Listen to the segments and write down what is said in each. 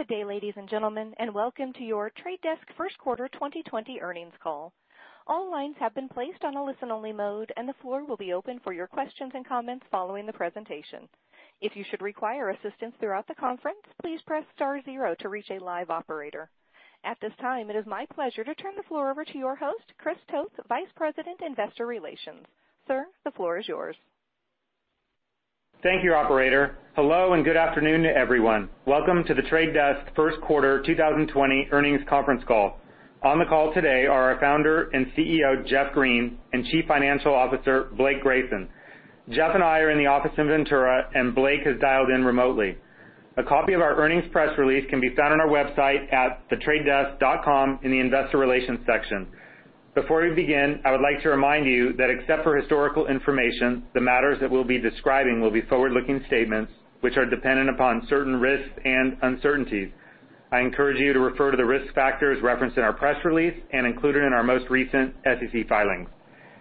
Good day, ladies and gentlemen. Welcome to your The Trade Desk first quarter 2020 earnings call. All lines have been placed on a listen-only mode. The floor will be open for your questions and comments following the presentation. If you should require assistance throughout the conference, please press star zero to reach a live operator. At this time, it is my pleasure to turn the floor over to your host, Chris Toth, Vice President, Investor Relations. Sir, the floor is yours. Thank you, operator. Hello, and good afternoon to everyone. Welcome to The Trade Desk first quarter 2020 earnings conference call. On the call today are our Founder and CEO, Jeff Green, and Chief Financial Officer, Blake Grayson. Jeff and I are in the office in Ventura, and Blake has dialed in remotely. A copy of our earnings press release can be found on our website at thetradedesk.com in the investor relations section. Before we begin, I would like to remind you that except for historical information, the matters that we'll be describing will be forward-looking statements which are dependent upon certain risks and uncertainties. I encourage you to refer to the risk factors referenced in our press release and included in our most recent SEC filings.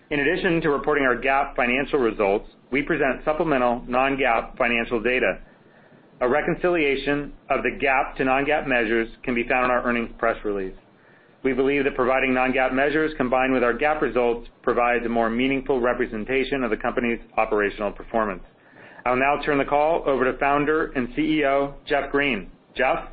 In addition to reporting our GAAP financial results, we present supplemental non-GAAP financial data. A reconciliation of the GAAP to non-GAAP measures can be found in our earnings press release. We believe that providing non-GAAP measures combined with our GAAP results provides a more meaningful representation of the company's operational performance. I'll now turn the call over to Founder and CEO, Jeff Green. Jeff?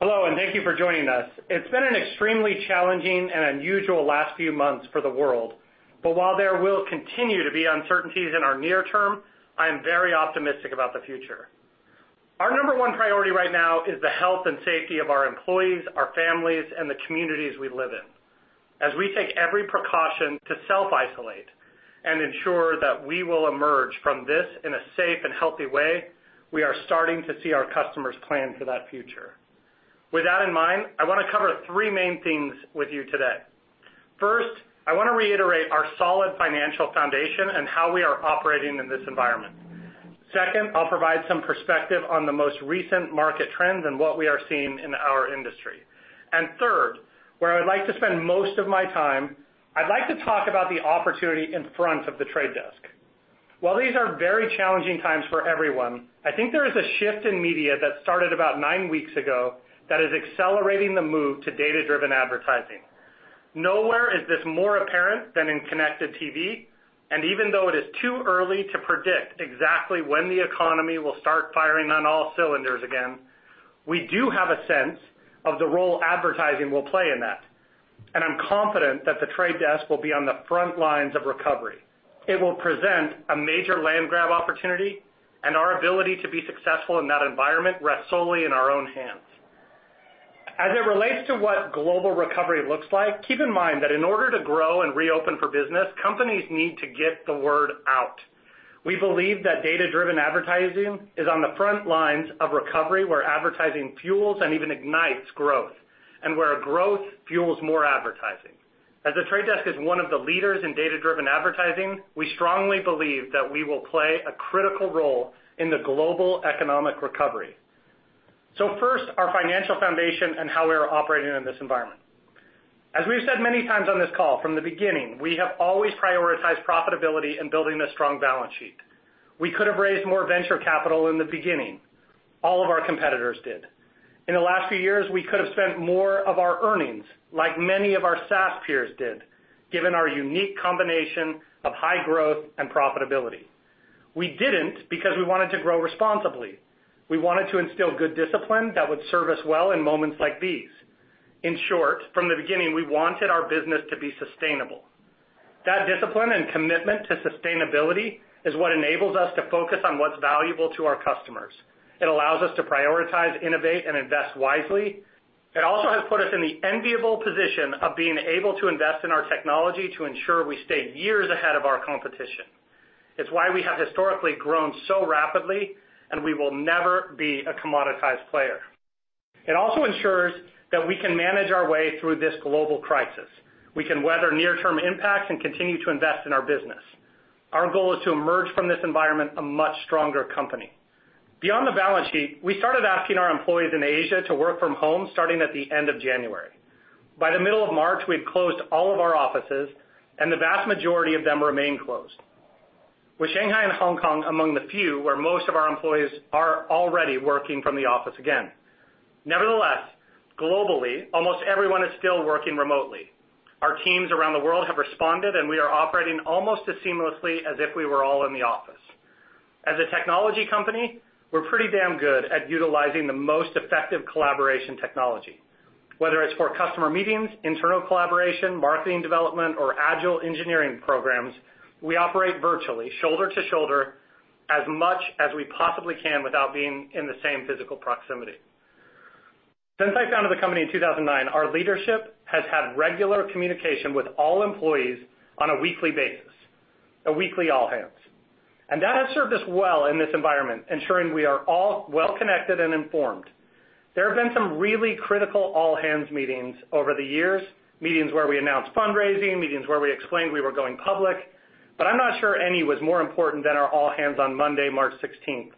Hello, thank you for joining us. It's been an extremely challenging and unusual last few months for the world. While there will continue to be uncertainties in our near term, I am very optimistic about the future. Our number one priority right now is the health and safety of our employees, our families, and the communities we live in. As we take every precaution to self-isolate and ensure that we will emerge from this in a safe and healthy way, we are starting to see our customers plan for that future. With that in mind, I want to cover three main things with you today. First, I want to reiterate our solid financial foundation and how we are operating in this environment. Second, I'll provide some perspective on the most recent market trends and what we are seeing in our industry. Third, where I would like to spend most of my time, I'd like to talk about the opportunity in front of The Trade Desk. While these are very challenging times for everyone, I think there is a shift in media that started about nine weeks ago that is accelerating the move to data-driven advertising. Nowhere is this more apparent than in connected TV, and even though it is too early to predict exactly when the economy will start firing on all cylinders again, we do have a sense of the role advertising will play in that. I'm confident that The Trade Desk will be on the front lines of recovery. It will present a major land grab opportunity, and our ability to be successful in that environment rests solely in our own hands. As it relates to what global recovery looks like, keep in mind that in order to grow and reopen for business, companies need to get the word out. We believe that data-driven advertising is on the front lines of recovery, where advertising fuels and even ignites growth, and where growth fuels more advertising. As The Trade Desk is one of the leaders in data-driven advertising, we strongly believe that we will play a critical role in the global economic recovery. First, our financial foundation and how we are operating in this environment. As we've said many times on this call, from the beginning, we have always prioritized profitability and building a strong balance sheet. We could have raised more venture capital in the beginning. All of our competitors did. In the last few years, we could have spent more of our earnings like many of our SaaS peers did, given our unique combination of high growth and profitability. We didn't, because we wanted to grow responsibly. We wanted to instill good discipline that would serve us well in moments like these. In short, from the beginning, we wanted our business to be sustainable. That discipline and commitment to sustainability is what enables us to focus on what's valuable to our customers. It allows us to prioritize, innovate, and invest wisely. It also has put us in the enviable position of being able to invest in our technology to ensure we stay years ahead of our competition. It's why we have historically grown so rapidly, and we will never be a commoditized player. It also ensures that we can manage our way through this global crisis. We can weather near-term impacts and continue to invest in our business. Our goal is to emerge from this environment a much stronger company. Beyond the balance sheet, we started asking our employees in Asia to work from home starting at the end of January. By the middle of March, we had closed all of our offices, and the vast majority of them remain closed, with Shanghai and Hong Kong among the few where most of our employees are already working from the office again. Nevertheless, globally, almost everyone is still working remotely. Our teams around the world have responded, and we are operating almost as seamlessly as if we were all in the office. As a technology company, we're pretty damn good at utilizing the most effective collaboration technology. Whether it's for customer meetings, internal collaboration, marketing development, or agile engineering programs, we operate virtually shoulder to shoulder as much as we possibly can without being in the same physical proximity. Since I founded the company in 2009, our leadership has had regular communication with all employees on a weekly basis, a weekly all-hands. That has served us well in this environment, ensuring we are all well connected and informed. There have been some really critical all-hands meetings over the years, meetings where we announced fundraising, meetings where we explained we were going public, but I'm not sure any was more important than our all-hands on Monday, March 16th,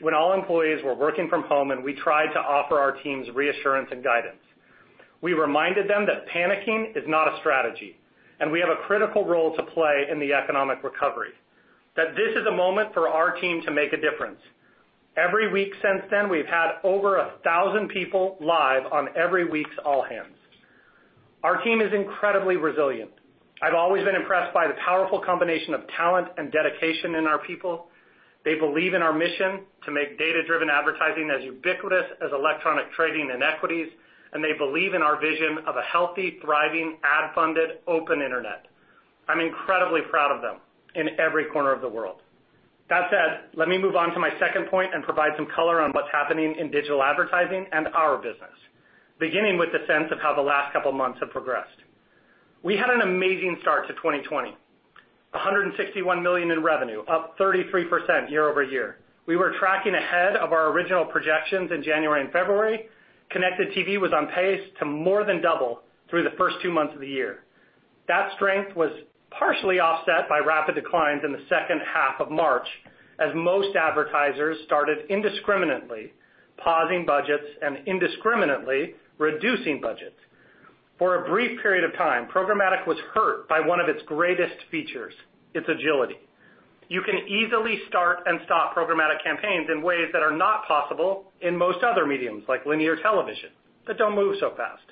when all employees were working from home, and we tried to offer our teams reassurance and guidance. We reminded them that panicking is not a strategy, and we have a critical role to play in the economic recovery, that this is a moment for our team to make a difference. Every week since then, we've had over 1,000 people live on every weeks all-hands. Our team is incredibly resilient. I've always been impressed by the powerful combination of talent and dedication in our people. They believe in our mission to make data-driven advertising as ubiquitous as electronic trading and equities, and they believe in our vision of a healthy, thriving, ad-funded, open internet. I'm incredibly proud of them in every corner of the world. That said, let me move on to my second point and provide some color on what's happening in digital advertising and our business, beginning with the sense of how the last couple of months have progressed. We had an amazing start to 2020. $161 million in revenue, up 33% year-over-year. We were tracking ahead of our original projections in January and February. Connected TV was on pace to more than double through the first two months of the year. That strength was partially offset by rapid declines in the second half of March, as most advertisers started indiscriminately pausing budgets and indiscriminately reducing budgets. For a brief period of time, programmatic was hurt by one of its greatest features, its agility. You can easily start and stop programmatic campaigns in ways that are not possible in most other mediums, like linear television. That don't move so fast.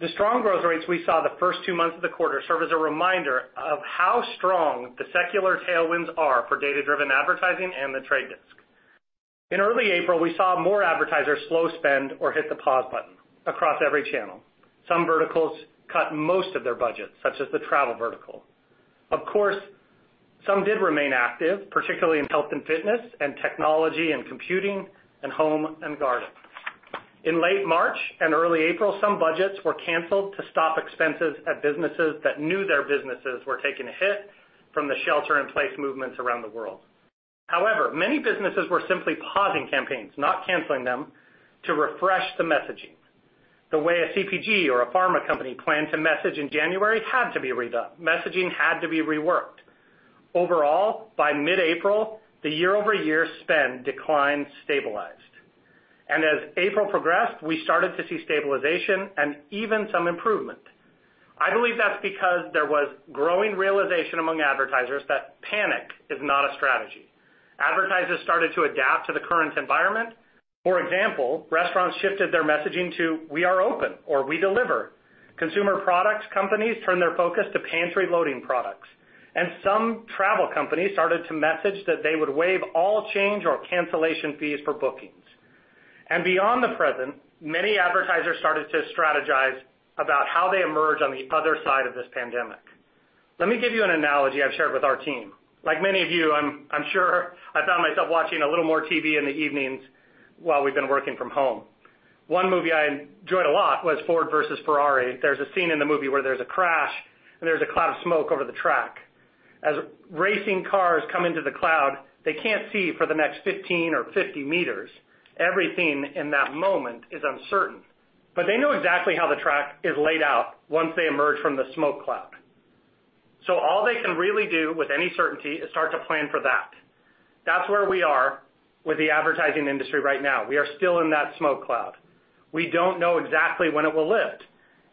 The strong growth rates we saw the first two months of the quarter serve as a reminder of how strong the secular tailwinds are for data-driven advertising and The Trade Desk. In early April, we saw more advertisers slow spend or hit the pause button across every channel. Some verticals cut most of their budgets, such as the travel vertical. Of course, some did remain active, particularly in health and fitness and technology and computing and home and garden. In late March and early April, some budgets were canceled to stop expenses at businesses that knew their businesses were taking a hit from the shelter-in-place movements around the world. However, many businesses were simply pausing campaigns, not canceling them, to refresh the messaging. The way a CPG or a pharma company planned to message in January had to be redone. Messaging had to be reworked. Overall, by mid-April, the year-over-year spend decline stabilized. As April progressed, we started to see stabilization and even some improvement. I believe that's because there was growing realization among advertisers that panic is not a strategy. Advertisers started to adapt to the current environment. For example, restaurants shifted their messaging to "We are open," or, "We deliver." Consumer products companies turned their focus to pantry-loading products, some travel companies started to message that they would waive all change or cancellation fees for bookings. Beyond the present, many advertisers started to strategize about how they emerge on the other side of this pandemic. Let me give you an analogy I've shared with our team. Like many of you, I'm sure I found myself watching a little more TV in the evenings while we've been working from home. One movie I enjoyed a lot was "Ford v. Ferrari." There's a scene in the movie where there's a crash and there's a cloud of smoke over the track. As racing cars come into the cloud, they can't see for the next 15 or 50 meters. Everything in that moment is uncertain, but they know exactly how the track is laid out once they emerge from the smoke cloud. All they can really do with any certainty is start to plan for that. That's where we are with the advertising industry right now. We are still in that smoke cloud. We don't know exactly when it will lift,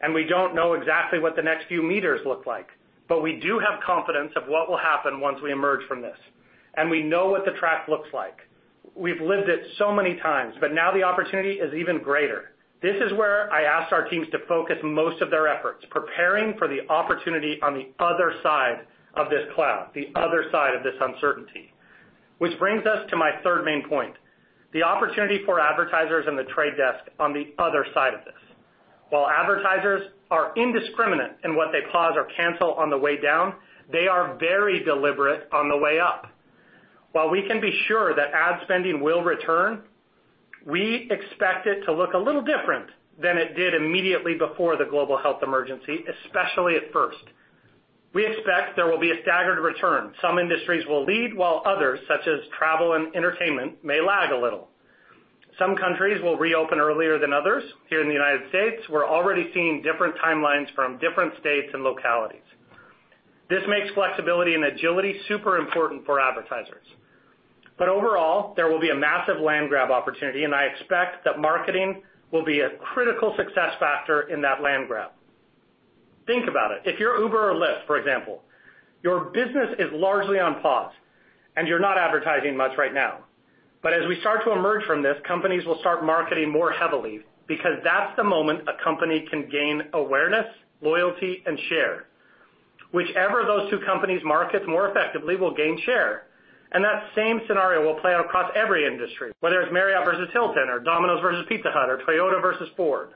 and we don't know exactly what the next few meters look like, but we do have confidence of what will happen once we emerge from this. We know what the track looks like. We've lived it so many times, but now the opportunity is even greater. This is where I asked our teams to focus most of their efforts, preparing for the opportunity on the other side of this cloud, the other side of this uncertainty. Which brings us to my third main point, the opportunity for advertisers and The Trade Desk on the other side of this. While advertisers are indiscriminate in what they pause or cancel on the way down, they are very deliberate on the way up. While we can be sure that ad spending will return, we expect it to look a little different than it did immediately before the global health emergency, especially at first. We expect there will be a staggered return. Some industries will lead, while others, such as travel and entertainment, may lag a little. Some countries will reopen earlier than others. Here in the United States, we're already seeing different timelines from different states and localities. This makes flexibility and agility super important for advertisers. Overall, there will be a massive land grab opportunity, and I expect that marketing will be a critical success factor in that land grab. Think about it. If you're Uber or Lyft, for example, your business is largely on pause and you're not advertising much right now. As we start to emerge from this, companies will start marketing more heavily because that's the moment a company can gain awareness, loyalty, and share. Whichever of those two companies markets more effectively will gain share, and that same scenario will play out across every industry, whether it's Marriott versus Hilton or Domino's versus Pizza Hut or Toyota versus Ford.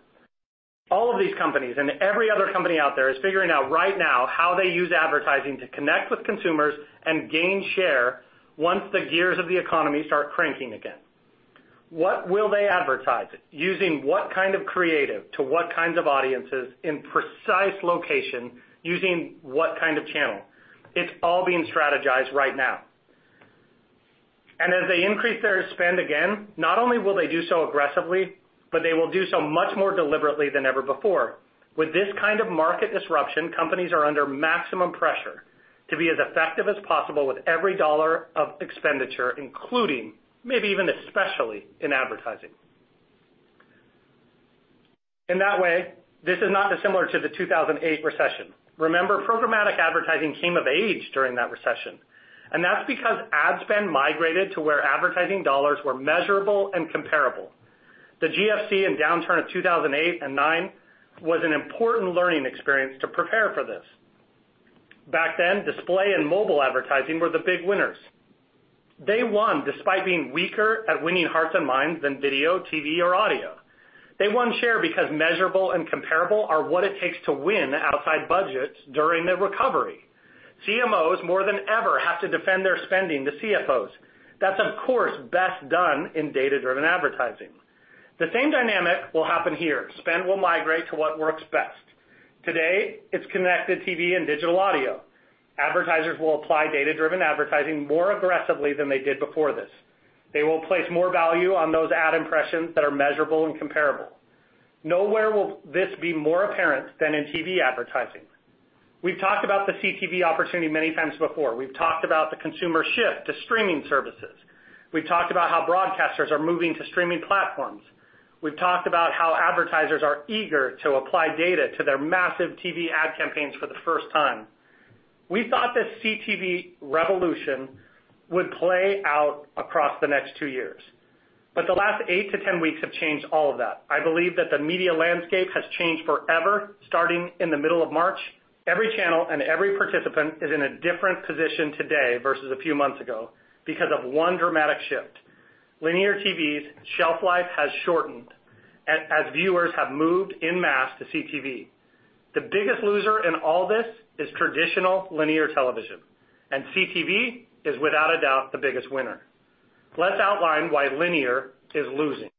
All of these companies and every other company out there is figuring out right now how they use advertising to connect with consumers and gain share once the gears of the economy start cranking again. What will they advertise? Using what kind of creative to what kinds of audiences in precise location using what kind of channel? It's all being strategized right now. As they increase their spend again, not only will they do so aggressively, but they will do so much more deliberately than ever before. With this kind of market disruption, companies are under maximum pressure. To be as effective as possible with every dollar of expenditure, including, maybe even especially, in advertising. In that way, this is not dissimilar to the 2008 recession. Remember, programmatic advertising came of age during that recession. That's because ad spend migrated to where advertising dollars were measurable and comparable. The GFC and downturn of 2008 and 2009 was an important learning experience to prepare for this. Back then, display and mobile advertising were the big winners. They won despite being weaker at winning hearts and minds than video, TV, or audio. They won share because measurable and comparable are what it takes to win outside budgets during the recovery. CMOs, more than ever, have to defend their spending to CFOs. That's, of course, best done in data-driven advertising. The same dynamic will happen here. Spend will migrate to what works best. Today, it's connected TV and digital audio. Advertisers will apply data-driven advertising more aggressively than they did before this. They will place more value on those ad impressions that are measurable and comparable. Nowhere will this be more apparent than in TV advertising. We've talked about the CTV opportunity many times before. We've talked about the consumer shift to streaming services. We've talked about how broadcasters are moving to streaming platforms. We've talked about how advertisers are eager to apply data to their massive TV ad campaigns for the first time. We thought this CTV revolution would play out across the next two years, but the last eight to 10 weeks have changed all of that. I believe that the media landscape has changed forever, starting in the middle of March. Every channel and every participant is in a different position today versus a few months ago because of one dramatic shift. Linear TV's shelf life has shortened as viewers have moved en masse to CTV. The biggest loser in all this is traditional linear television, and CTV is, without a doubt, the biggest winner. Let's outline why linear is losing.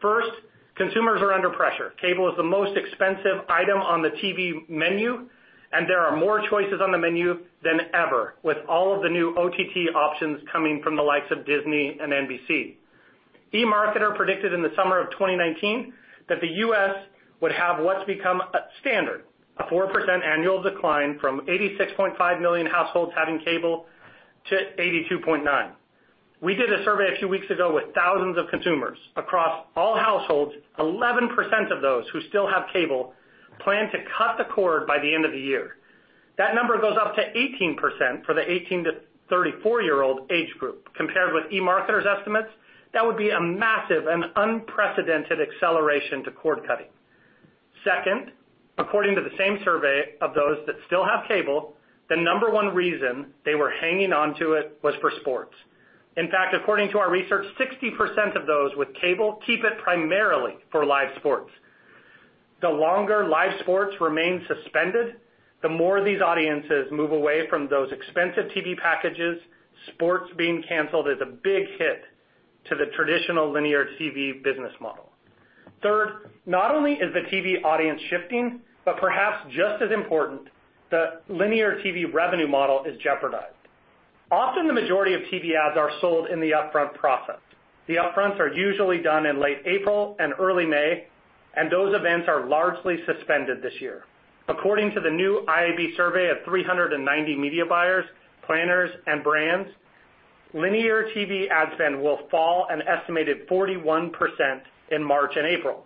First, consumers are under pressure. Cable is the most expensive item on the TV menu, and there are more choices on the menu than ever, with all of the new OTT options coming from the likes of Disney and NBC. eMarketer predicted in the summer of 2019 that the U.S. would have what's become standard, a 4% annual decline from 86.5 million households having cable to 82.9. We did a survey a few weeks ago with thousands of consumers. Across all households, 11% of those who still have cable plan to cut the cord by the end of the year. That number goes up to 18% for the 18 to 34-year-old age group. Compared with eMarketer's estimates, that would be a massive and unprecedented acceleration to cord-cutting. Second, according to the same survey of those that still have cable, the number one reason they were hanging onto it was for sports. In fact, according to our research, 60% of those with cable keep it primarily for live sports. The longer live sports remain suspended, the more these audiences move away from those expensive TV packages. Sports being canceled is a big hit to the traditional linear TV business model. Third, not only is the TV audience shifting, but perhaps just as important, the linear TV revenue model is jeopardized. Often, the majority of TV ads are sold in the upfront process. The upfronts are usually done in late April and early May, and those events are largely suspended this year. According to the new IAB survey of 390 media buyers, planners, and brands, linear TV ad spend will fall an estimated 41% in March and April,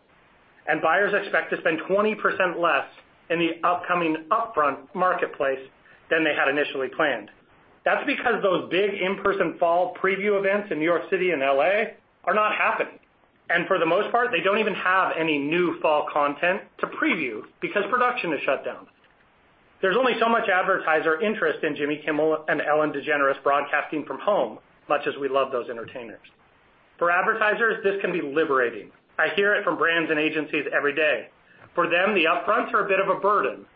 and buyers expect to spend 20% less in the upcoming upfront marketplace than they had initially planned. That's because those big in-person fall preview events in New York City and L.A. are not happening, and for the most part, they don't even have any new fall content to preview because production is shut down. There's only so much advertiser interest in Jimmy Kimmel and Ellen DeGeneres broadcasting from home, much as we love those entertainers. For advertisers, this can be liberating. I hear it from brands and agencies every day. For them, the upfronts are a bit of a burden.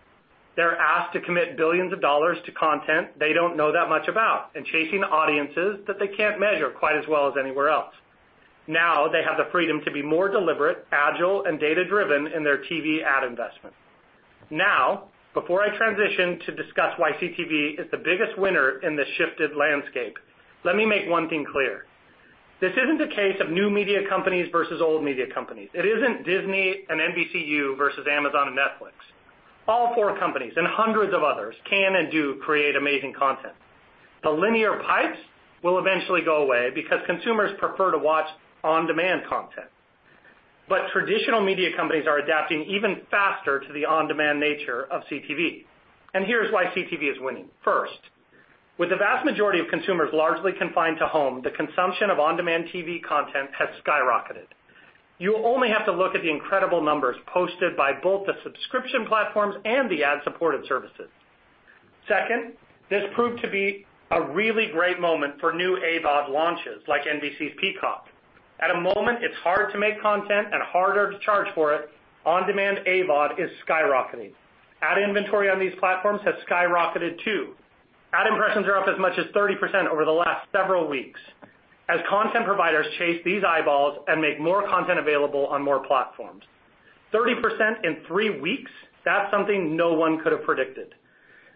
They're asked to commit billions of dollars to content they don't know that much about and chasing audiences that they can't measure quite as well as anywhere else. Now, they have the freedom to be more deliberate, agile, and data-driven in their TV ad investment. Now, before I transition to discuss why CTV is the biggest winner in this shifted landscape, let me make one thing clear. This isn't a case of new media companies versus old media companies. It isn't Disney and NBCU versus Amazon and Netflix. All four companies, and hundreds of others, can and do create amazing content. The linear pipes will eventually go away because consumers prefer to watch on-demand content. Traditional media companies are adapting even faster to the on-demand nature of CTV. Here's why CTV is winning. First, with the vast majority of consumers largely confined to home, the consumption of on-demand TV content has skyrocketed. You only have to look at the incredible numbers posted by both the subscription platforms and the ad-supported services. Second, this proved to be a really great moment for new AVOD launches, like NBC's Peacock. At a moment, it's hard to make content and harder to charge for it, on demand AVOD is skyrocketing. Ad inventory on these platforms has skyrocketed, too. Ad impressions are up as much as 30% over the last several weeks as content providers chase these eyeballs and make more content available on more platforms. 30% in three weeks, that's something no one could have predicted.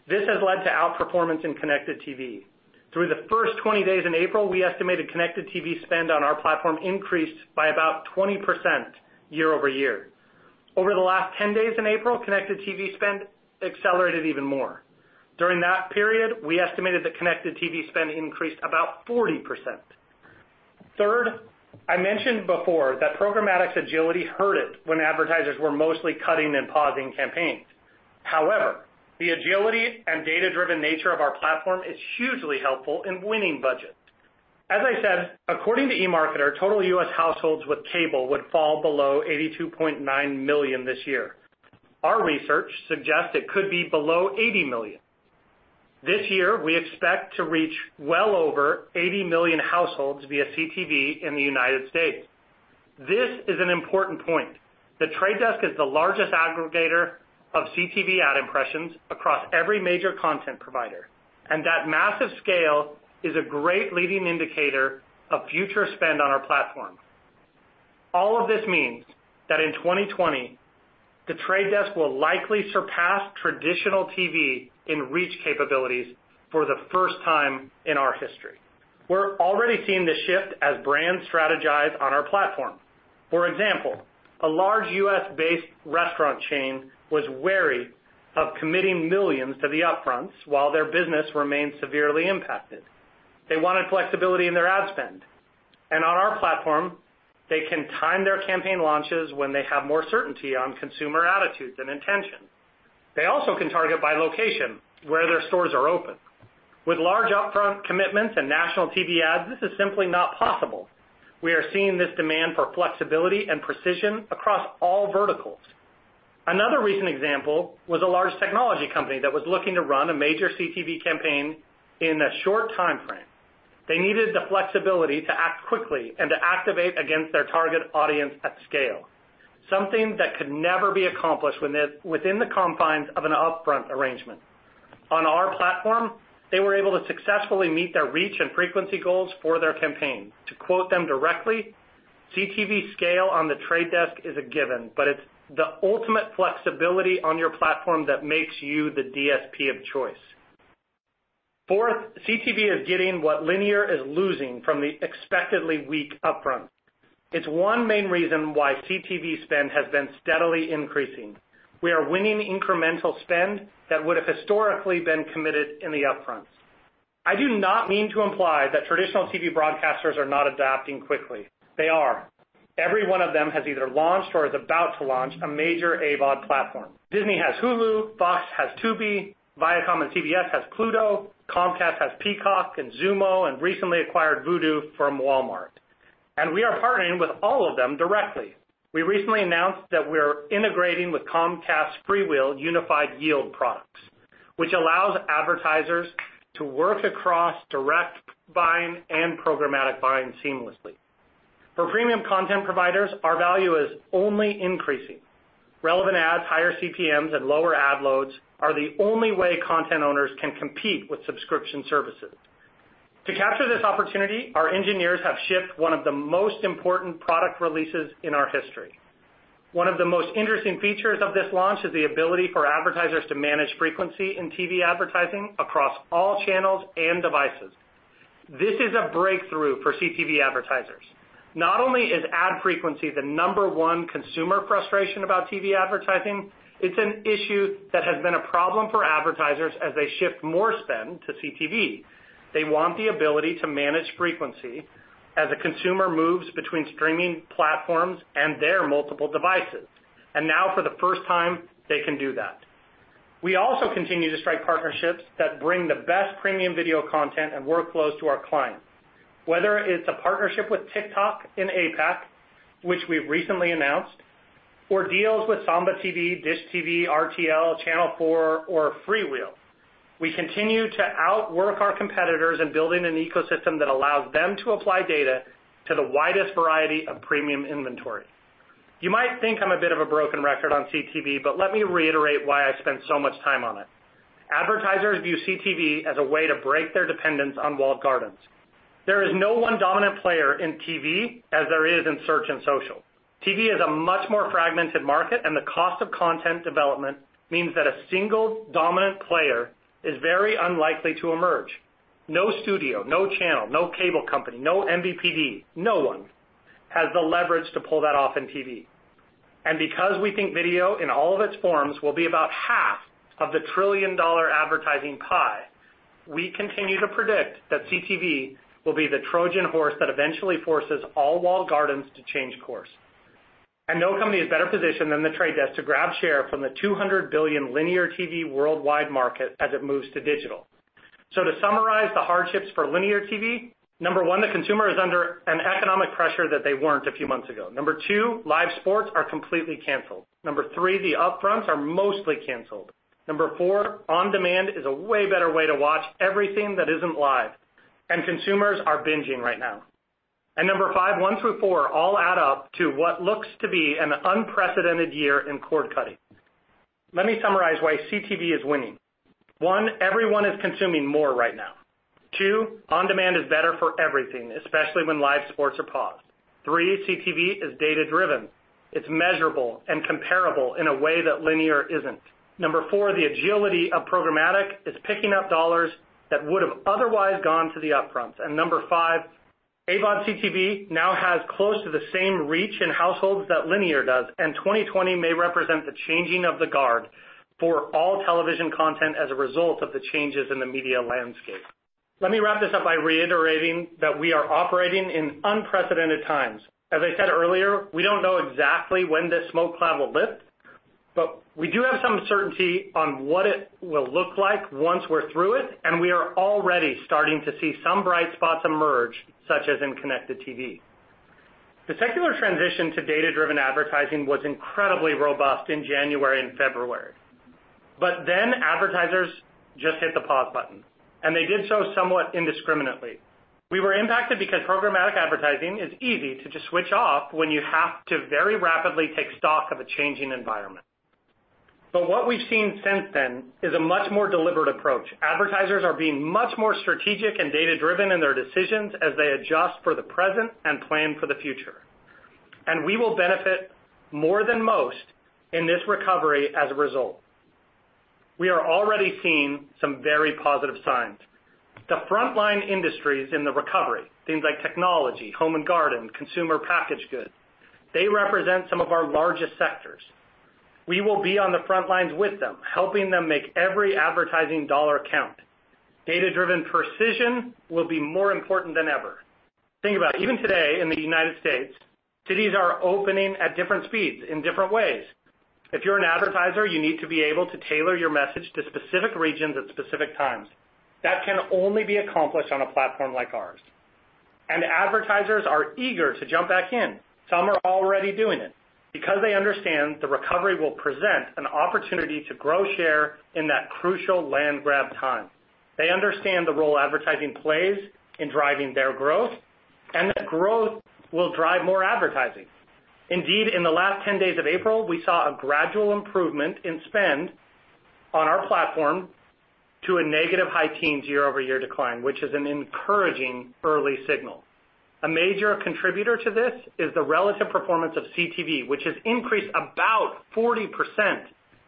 This has led to outperformance in connected TV. Through the first 20 days in April, we estimated connected TV spend on our platform increased by about 20% year-over-year. Over the last 10 days in April, connected TV spend accelerated even more. During that period, we estimated that connected TV spend increased about 40%. Third, I mentioned before that programmatic's agility hurt it when advertisers were mostly cutting and pausing campaigns. However, the agility and data-driven nature of our platform is hugely helpful in winning budget. As I said, according to eMarketer, total U.S. households with cable would fall below 82.9 million this year. Our research suggests it could be below 80 million. This year, we expect to reach well over 80 million households via CTV in the United States. This is an important point. The Trade Desk is the largest aggregator of CTV ad impressions across every major content provider, and that massive scale is a great leading indicator of future spend on our platform. All of this means that in 2020, The Trade Desk will likely surpass traditional TV in reach capabilities for the first time in our history. We're already seeing the shift as brands strategize on our platform. For example, a large U.S.-based restaurant chain was wary of committing millions to the upfronts while their business remained severely impacted. They wanted flexibility in their ad spend. On our platform, they can time their campaign launches when they have more certainty on consumer attitudes and intention. They also can target by location where their stores are open. With large upfront commitments and national TV ads, this is simply not possible. We are seeing this demand for flexibility and precision across all verticals. Another recent example was a large technology company that was looking to run a major CTV campaign in a short timeframe. They needed the flexibility to act quickly and to activate against their target audience at scale, something that could never be accomplished within the confines of an upfront arrangement. On our platform, they were able to successfully meet their reach and frequency goals for their campaign. To quote them directly, "CTV scale on The Trade Desk is a given, but it's the ultimate flexibility on your platform that makes you the DSP of choice." Fourth, CTV is getting what linear is losing from the expectedly weak upfront. It's one main reason why CTV spend has been steadily increasing. We are winning incremental spend that would have historically been committed in the upfront. I do not mean to imply that traditional TV broadcasters are not adapting quickly. They are. Every one of them has either launched or is about to launch a major AVOD platform. Disney has Hulu, Fox has Tubi, Viacom and CBS has Pluto, Comcast has Peacock and Xumo, and recently acquired Vudu from Walmart. We are partnering with all of them directly. We recently announced that we're integrating with Comcast FreeWheel unified yield products, which allows advertisers to work across direct buying and programmatic buying seamlessly. For premium content providers, our value is only increasing. Relevant ads, higher CPMs, and lower ad loads are the only way content owners can compete with subscription services. To capture this opportunity, our engineers have shipped one of the most important product releases in our history. One of the most interesting features of this launch is the ability for advertisers to manage frequency in TV advertising across all channels and devices. This is a breakthrough for CTV advertisers. Not only is ad frequency the number one consumer frustration about TV advertising, it's an issue that has been a problem for advertisers as they shift more spend to CTV. They want the ability to manage frequency as a consumer moves between streaming platforms and their multiple devices. now, for the first time, they can do that. We also continue to strike partnerships that bring the best premium video content and workflows to our clients. Whether it's a partnership with TikTok in APAC, which we've recently announced, or deals with Samba TV, Dish TV, RTL, Channel 4, or FreeWheel, we continue to outwork our competitors in building an ecosystem that allows them to apply data to the widest variety of premium inventory. You might think I'm a bit of a broken record on CTV but let me reiterate why I spend so much time on it. Advertisers view CTV as a way to break their dependence on walled gardens. There is no one dominant player in TV as there is in search and social. TV is a much more fragmented market, and the cost of content development means that a single dominant player is very unlikely to emerge. No studio, no channel, no cable company, no MVPD, no one has the leverage to pull that off in TV. Because we think video in all of its forms will be about half of the trillion-dollar advertising pie, we continue to predict that CTV will be the Trojan horse that eventually forces all walled gardens to change course. No company is better positioned than The Trade Desk to grab share from the 200 billion linear TV worldwide market as it moves to digital. To summarize the hardships for linear TV, number one, the consumer is under an economic pressure that they weren't a few months ago. Number two, live sports are completely canceled. Number three, the upfronts are mostly canceled. Number four, on-demand is a way better way to watch everything that isn't live, and consumers are binging right now. Number five, one through four all add up to what looks to be an unprecedented year in cord-cutting. Let me summarize why CTV is winning. One, everyone is consuming more right now. Two, on-demand is better for everything, especially when live sports are paused. Three, CTV is data-driven. It's measurable and comparable in a way that linear isn't. Number four, the agility of programmatic is picking up dollars that would have otherwise gone to the upfronts. Number five, AVOD/CTV now has close to the same reach in households that linear does, and 2020 may represent the changing of the guard for all television content as a result of the changes in the media landscape. Let me wrap this up by reiterating that we are operating in unprecedented times. As I said earlier, we don't know exactly when this smoke cloud will lift, but we do have some certainty on what it will look like once we're through it, and we are already starting to see some bright spots emerge, such as in connected TV. The secular transition to data-driven advertising was incredibly robust in January and February, but then advertisers just hit the pause button, and they did so somewhat indiscriminately. We were impacted because programmatic advertising is easy to just switch off when you have to very rapidly take stock of a changing environment. What we've seen since then is a much more deliberate approach. Advertisers are being much more strategic and data-driven in their decisions as they adjust for the present and plan for the future. We will benefit more than most in this recovery as a result. We are already seeing some very positive signs. The frontline industries in the recovery, things like technology, home and garden, consumer packaged goods, they represent some of our largest sectors. We will be on the front lines with them, helping them make every advertising dollar count. Data-driven precision will be more important than ever. Think about it. Even today in the United States, cities are opening at different speeds in different ways. If you're an advertiser, you need to be able to tailor your message to specific regions at specific times. That can only be accomplished on a platform like ours. Advertisers are eager to jump back in. Some are already doing it because they understand the recovery will present an opportunity to grow share in that crucial land grab time. They understand the role advertising plays in driving their growth, and that growth will drive more advertising. Indeed, in the last 10 days of April, we saw a gradual improvement in spend on our platform to a negative high teens year-over-year decline, which is an encouraging early signal. A major contributor to this is the relative performance of CTV, which has increased about 40%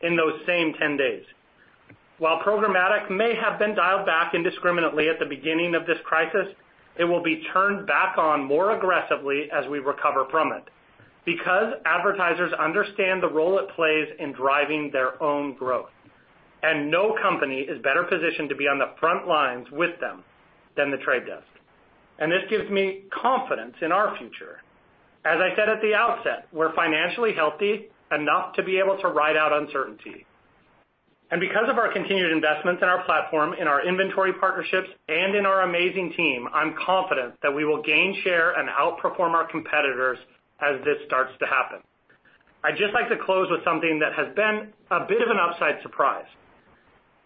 in those same 10 days. While programmatic may have been dialed back indiscriminately at the beginning of this crisis, it will be turned back on more aggressively as we recover from it because advertisers understand the role it plays in driving their own growth. No company is better positioned to be on the front lines with them than The Trade Desk. This gives me confidence in our future. As I said at the outset, we're financially healthy enough to be able to ride out uncertainty. Because of our continued investments in our platform, in our inventory partnerships, and in our amazing team, I'm confident that we will gain share and outperform our competitors as this starts to happen. I'd just like to close with something that has been a bit of an upside surprise.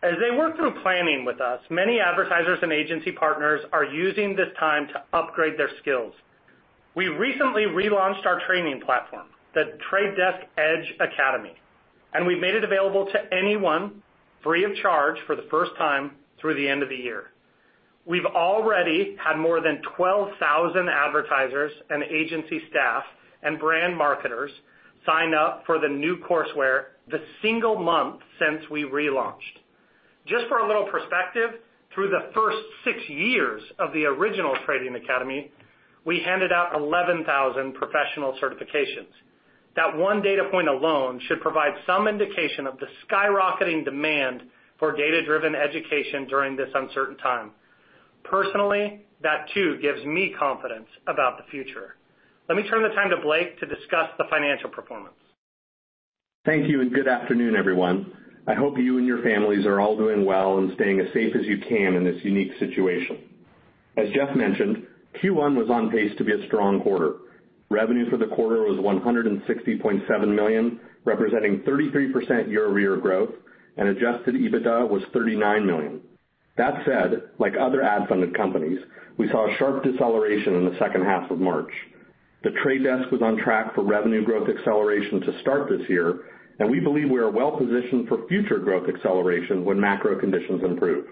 As they work through planning with us, many advertisers and agency partners are using this time to upgrade their skills. We recently relaunched our training platform, The Trade Desk Edge Academy, and we made it available to anyone free of charge for the first time through the end of the year. We've already had more than 12,000 advertisers and agency staff and brand marketers sign up for the new courseware the single month since we relaunched. Just for a little perspective, through the first six years of the original Trading Academy, we handed out 11,000 professional certifications. That one data point alone should provide some indication of the skyrocketing demand for data-driven education during this uncertain time. Personally, that too gives me confidence about the future. Let me turn the time to Blake to discuss the financial performance. Thank you, and good afternoon, everyone. I hope you and your families are all doing well and staying as safe as you can in this unique situation. As Jeff mentioned, Q1 was on pace to be a strong quarter. Revenue for the quarter was $160.7 million, representing 33% year-over-year growth, and adjusted EBITDA was $39 million. That said, like other ad-funded companies, we saw a sharp deceleration in the second half of March. The Trade Desk was on track for revenue growth acceleration to start this year, and we believe we are well positioned for future growth acceleration when macro conditions improve.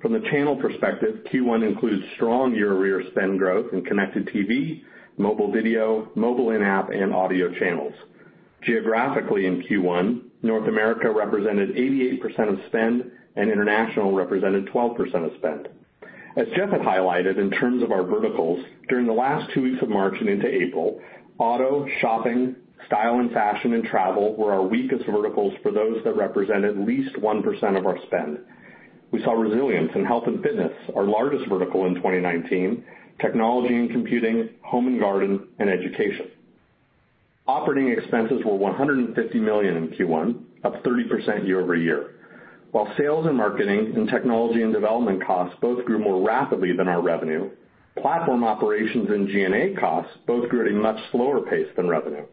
From the channel perspective, Q1 includes strong year-over-year spend growth in connected TV, mobile video, mobile in-app, and audio channels. Geographically in Q1, North America represented 88% of spend and international represented 12% of spend. As Jeff had highlighted in terms of our verticals, during the last two weeks of March and into April, auto, shopping, style and fashion, and travel were our weakest verticals for those that represent at least 1% of our spend. We saw resilience in health and fitness, our largest vertical in 2019, technology and computing, home and garden, and education. Operating expenses were $150 million in Q1, up 30% year- over-year. While sales and marketing and technology and development costs both grew more rapidly than our revenue, platform operations and G&A costs both grew at a much slower pace than revenue.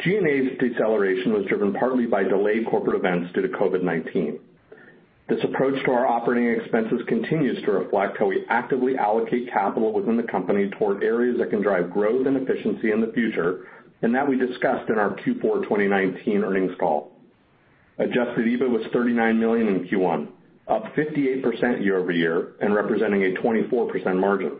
G&A's deceleration was driven partly by delayed corporate events due to COVID-19. This approach to our operating expenses continues to reflect how we actively allocate capital within the company toward areas that can drive growth and efficiency in the future, and that we discussed in our Q4 2019 earnings call. Adjusted EBIT was $39 million in Q1, up 58% year-over-year and representing a 24% margin.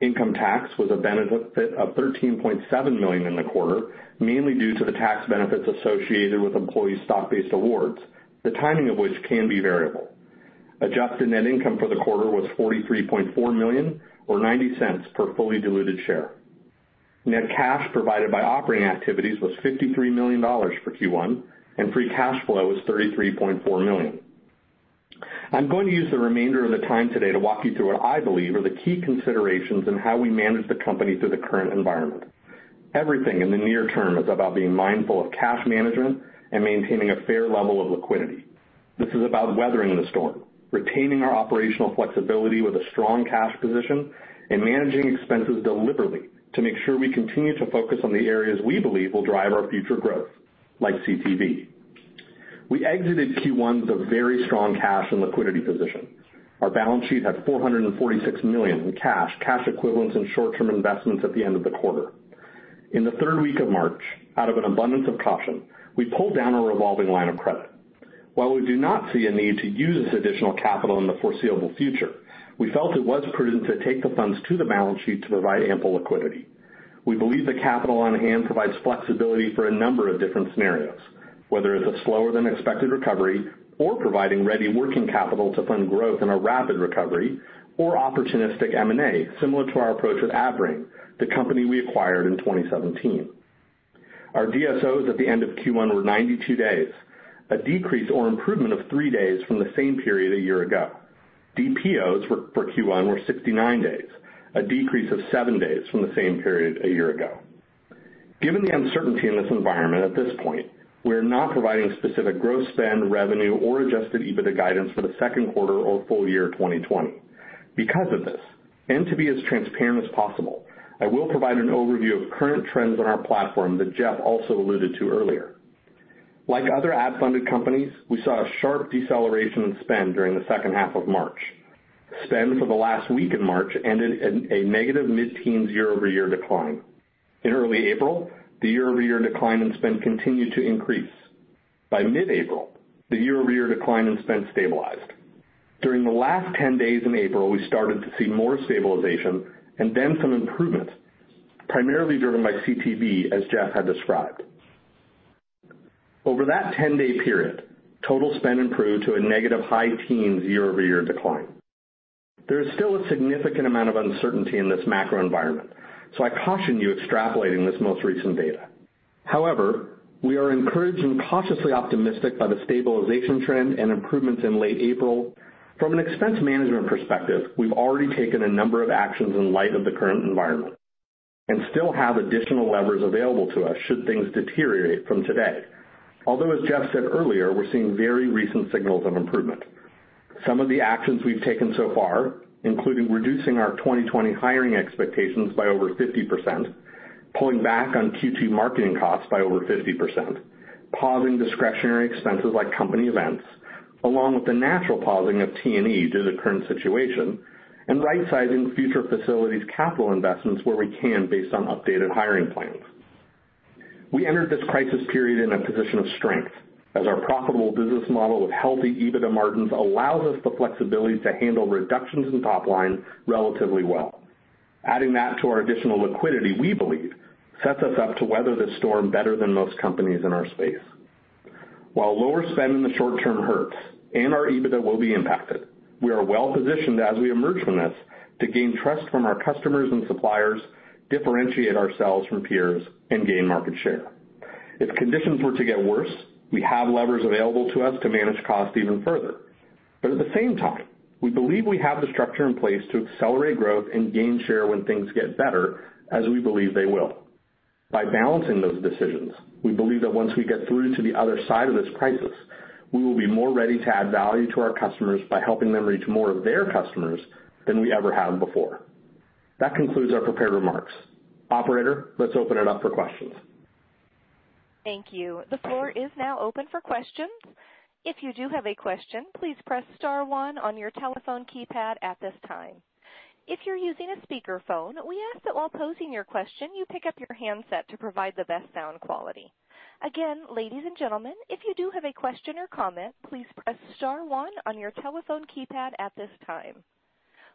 Income tax was a benefit of $13.7 million in the quarter, mainly due to the tax benefits associated with employee stock-based awards. The timing of which can be variable. Adjusted net income for the quarter was $43.4 million, or $0.90 per fully diluted share. Net cash provided by operating activities was $53 million for Q1, and free cash flow was $33.4 million. I'm going to use the remainder of the time today to walk you through what I believe are the key considerations in how we manage the company through the current environment. Everything in the near term is about being mindful of cash management and maintaining a fair level of liquidity. This is about weathering the storm, retaining our operational flexibility with a strong cash position, and managing expenses deliberately to make sure we continue to focus on the areas we believe will drive our future growth, like CTV. We exited Q1 with a very strong cash and liquidity position. Our balance sheet had $446 million in cash equivalents, and short-term investments at the end of the quarter. In the third week of March, out of an abundance of caution, we pulled down a revolving line of credit. While we do not see a need to use this additional capital in the foreseeable future, we felt it was prudent to take the funds to the balance sheet to provide ample liquidity. We believe the capital on hand provides flexibility for a number of different scenarios. Whether it's a slower than expected recovery or providing ready working capital to fund growth in a rapid recovery or opportunistic M&A, similar to our approach with Adbrain, the company we acquired in 2017. Our DSOs at the end of Q1 were 92 days, a decrease or improvement of three days from the same period a year ago. DPOs for Q1 were 69 days, a decrease of seven days from the same period a year ago. Given the uncertainty in this environment at this point, we're not providing specific growth spend, revenue, or adjusted EBITDA guidance for the second quarter or full year 2020. Because of this, and to be as transparent as possible, I will provide an overview of current trends on our platform that Jeff also alluded to earlier. Like other ad-funded companies, we saw a sharp deceleration in spend during the second half of March. Spend for the last week in March ended in a negative mid-teens year-over-year decline. In early April, the year-over-year decline in spend continued to increase. By mid-April, the year-over-year decline in spend stabilized. During the last 10 days in April, we started to see more stabilization and then some improvements, primarily driven by CTV, as Jeff had described. Over that 10-day period, total spend improved to a negative high teens year-over-year decline. There is still a significant amount of uncertainty in this macro environment, so I caution you extrapolating this most recent data. However, we are encouraged and cautiously optimistic by the stabilization trend and improvements in late April. From an expense management perspective, we've already taken a number of actions in light of the current environment and still have additional levers available to us should things deteriorate from today. Although as Jeff said earlier, we're seeing very recent signals of improvement. Some of the actions we've taken so far include reducing our 2020 hiring expectations by over 50%, pulling back on Q2 marketing costs by over 50%, pausing discretionary expenses like company events, along with the natural pausing of T&E due to the current situation, and rightsizing future facilities capital investments where we can based on updated hiring plans. We entered this crisis period in a position of strength as our profitable business model with healthy EBITDA margins allows us the flexibility to handle reductions in top line relatively well. Adding that to our additional liquidity, we believe sets us up to weather the storm better than most companies in our space. While lower spend in the short-term hurts and our EBITDA will be impacted, we are well positioned as we emerge from this to gain trust from our customers and suppliers, differentiate ourselves from peers, and gain market share. If conditions were to get worse, we have levers available to us to manage costs even further. At the same time, we believe we have the structure in place to accelerate growth and gain share when things get better, as we believe they will. By balancing those decisions, we believe that once we get through to the other side of this crisis, we will be more ready to add value to our customers by helping them reach more of their customers than we ever have before. That concludes our prepared remarks. Operator, let's open it up for questions. Thank you. The floor is now open for questions. If you do have a question, please press star one on your telephone keypad at this time. If you're using a speakerphone, we ask that while posing your question, you pick up your handset to provide the best sound quality. Again, ladies and gentlemen, if you do have a question or comment, please press star one on your telephone keypad at this time.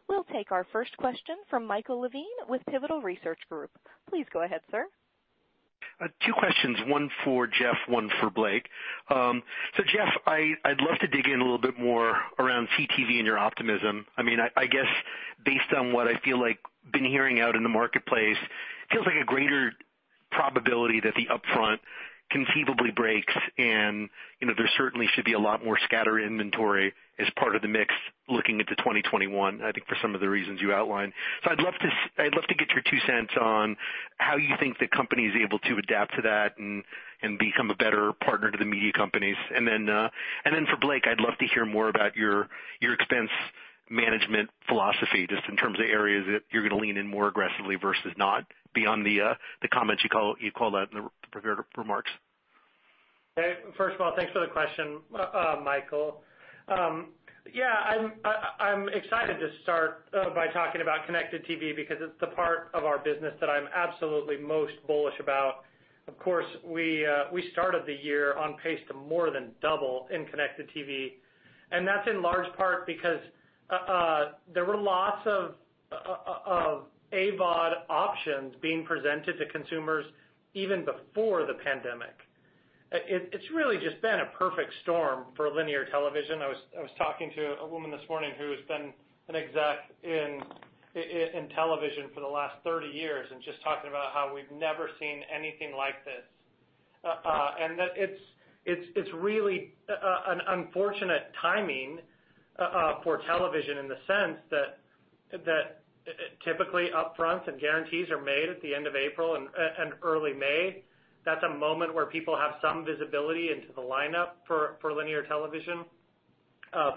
We'll take our first question from Michael Levine with Pivotal Research Group. Please go ahead, sir. Two questions, one for Jeff, one for Blake. Jeff, I'd love to dig in a little bit more around CTV and your optimism. I guess based on what I feel like been hearing out in the marketplace, it feels like a greater probability that the upfront conceivably breaks, and there certainly should be a lot more scatter inventory as part of the mix looking into 2021, I think for some of the reasons you outlined. I'd love to get your two cents on how you think the company is able to adapt to that and become a better partner to the media companies. For Blake, I'd love to hear more about your expense management philosophy, just in terms of areas that you're going to lean in more aggressively versus not beyond the comments you called out in the prepared remarks. Okay. First of all, thanks for the question, Michael. Yeah, I'm excited to start by talking about connected TV because it's the part of our business that I'm absolutely most bullish about. Of course, we started the year on pace to more than double in connected TV, and that's in large part because there were lots of AVOD options being presented to consumers even before the pandemic. It's really just been a perfect storm for linear television. I was talking to a woman this morning who has been an exec in television for the last 30 years and just talking about how we've never seen anything like this. That it's really an unfortunate timing for television in the sense that typically upfronts and guarantees are made at the end of April and early May. That's a moment where people have some visibility into the lineup for linear television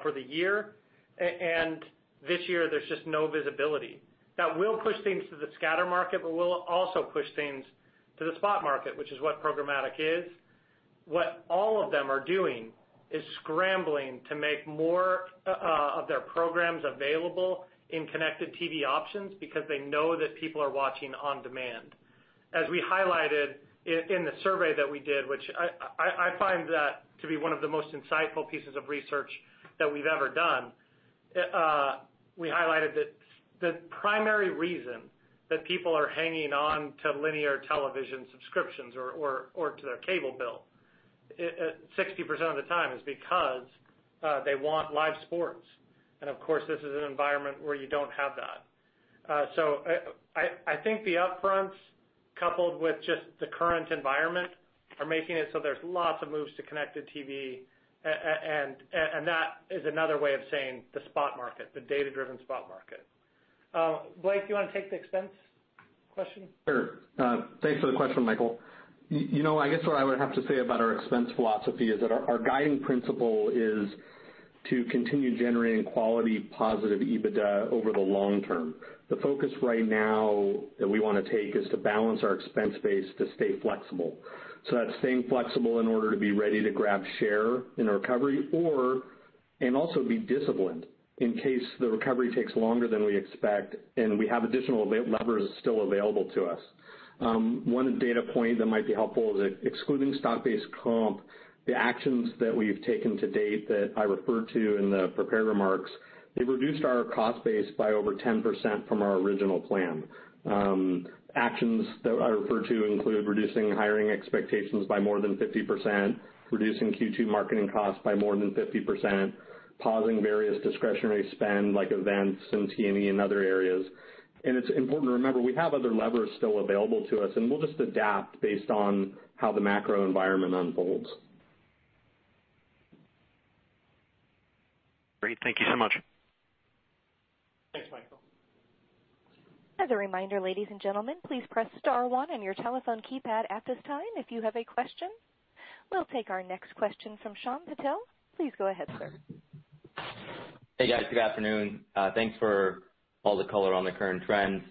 for the year. This year, there's just no visibility. That will push things to the scatter market, but will also push things to the spot market, which is what programmatic is. What all of them are doing is scrambling to make more of their programs available in connected TV options because they know that people are watching on demand. As we highlighted in the survey that we did, which I find that to be one of the most insightful pieces of research that we've ever done. Of course, this is an environment where you don't have that. I think the upfronts, coupled with just the current environment, are making it so there's lots of moves to connected TV, and that is another way of saying the spot market, the data-driven spot market. Blake, do you want to take the expense question? Sure. Thanks for the question, Michael. I guess what I would have to say about our expense philosophy is that our guiding principle is to continue generating quality positive EBITDA over the long term. The focus right now that we want to take is to balance our expense base to stay flexible. That's staying flexible in order to be ready to grab share in a recovery or, and also be disciplined in case the recovery takes longer than we expect and we have additional levers still available to us. One data point that might be helpful is that excluding stock-based comp, the actions that we've taken to date that I referred to in the prepared remarks, they've reduced our cost base by over 10% from our original plan. Actions that I referred to include reducing hiring expectations by more than 50%, reducing Q2 marketing costs by more than 50%, pausing various discretionary spend like events and T&E and other areas. It's important to remember, we have other levers still available to us, and we'll just adapt based on how the macro environment unfolds. Great. Thank you so much. Thanks, Michael. As a reminder, ladies and gentlemen, please press star one on your telephone keypad at this time, if you have a question. We'll take our next question from Shyam Patil. Please go ahead, sir. Hey, guys. Good afternoon. Thanks for all the color on the current trends.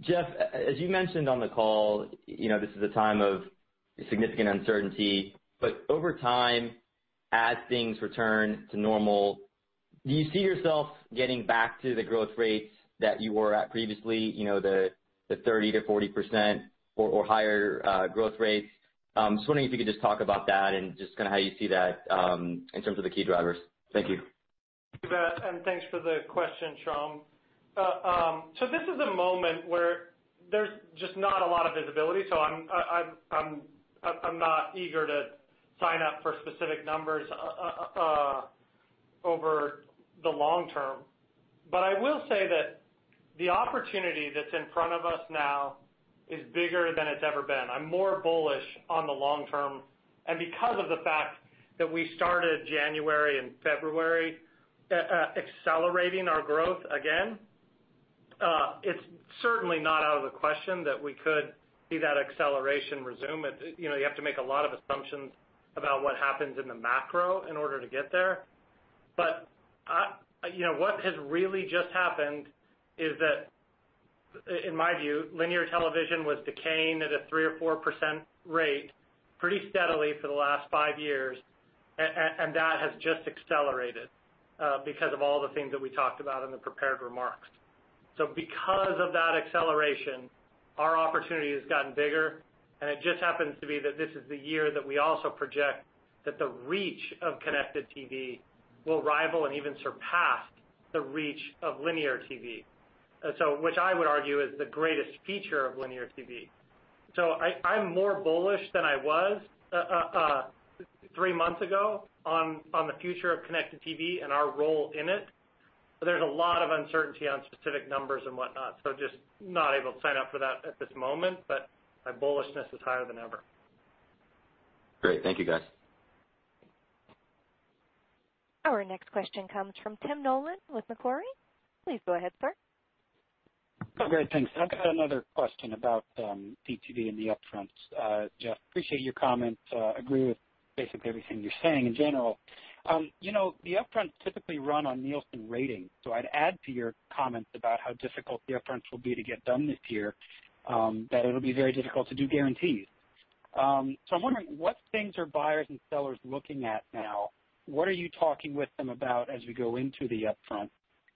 Jeff, as you mentioned on the call, this is a time of significant uncertainty. Over time, as things return to normal, do you see yourself getting back to the growth rates that you were at previously, the 30%-40% or higher growth rates? I'm just wondering if you could just talk about that and just how you see that in terms of the key drivers. Thank you. You bet. Thanks for the question, Shyam. This is a moment where there's just not a lot of visibility. I'm not eager to sign up for specific numbers over the long term. I will say that the opportunity that's in front of us now is bigger than it's ever been. I'm more bullish on the long term. Because of the fact that we started January and February accelerating our growth again, it's certainly not out of the question that we could see that acceleration resume. You have to make a lot of assumptions about what happens in the macro in order to get there. What has really just happened is that, in my view, linear television was decaying at a 3% or 4% rate pretty steadily for the last five years, and that has just accelerated because of all the things that we talked about in the prepared remarks. Because of that acceleration, our opportunity has gotten bigger, and it just happens to be that this is the year that we also project that the reach of connected TV will rival and even surpass the reach of linear TV. Which I would argue is the greatest feature of linear TV. I'm more bullish than I was three months ago on the future of connected TV and our role in it. There's a lot of uncertainty on specific numbers and whatnot, so just not able to sign up for that at this moment, but my bullishness is higher than ever. Great. Thank you, guys. Our next question comes from Tim Nollen with Macquarie. Please go ahead, sir. Great. Thanks. I've got another question about TV and the upfronts. Jeff, appreciate your comments. Agree with basically everything you're saying in general. The upfronts typically run on Nielsen rating, so I'd add to your comments about how difficult the upfronts will be to get done this year that it'll be very difficult to do guarantees. I'm wondering what things are buyers and sellers looking at now? What are you talking with them about as we go into the upfront?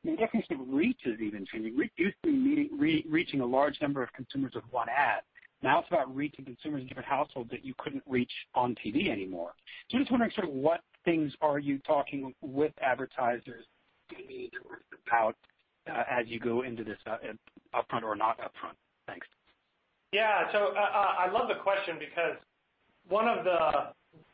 The definition of reach is even changing. We're used to reaching a large number of consumers with one ad. Now it's about reaching consumers in different households that you couldn't reach on TV anymore. I'm just wondering sort of what things are you talking with advertisers maybe, or about as you go into this upfront or not upfront? Thanks. Yeah. I love the question because one of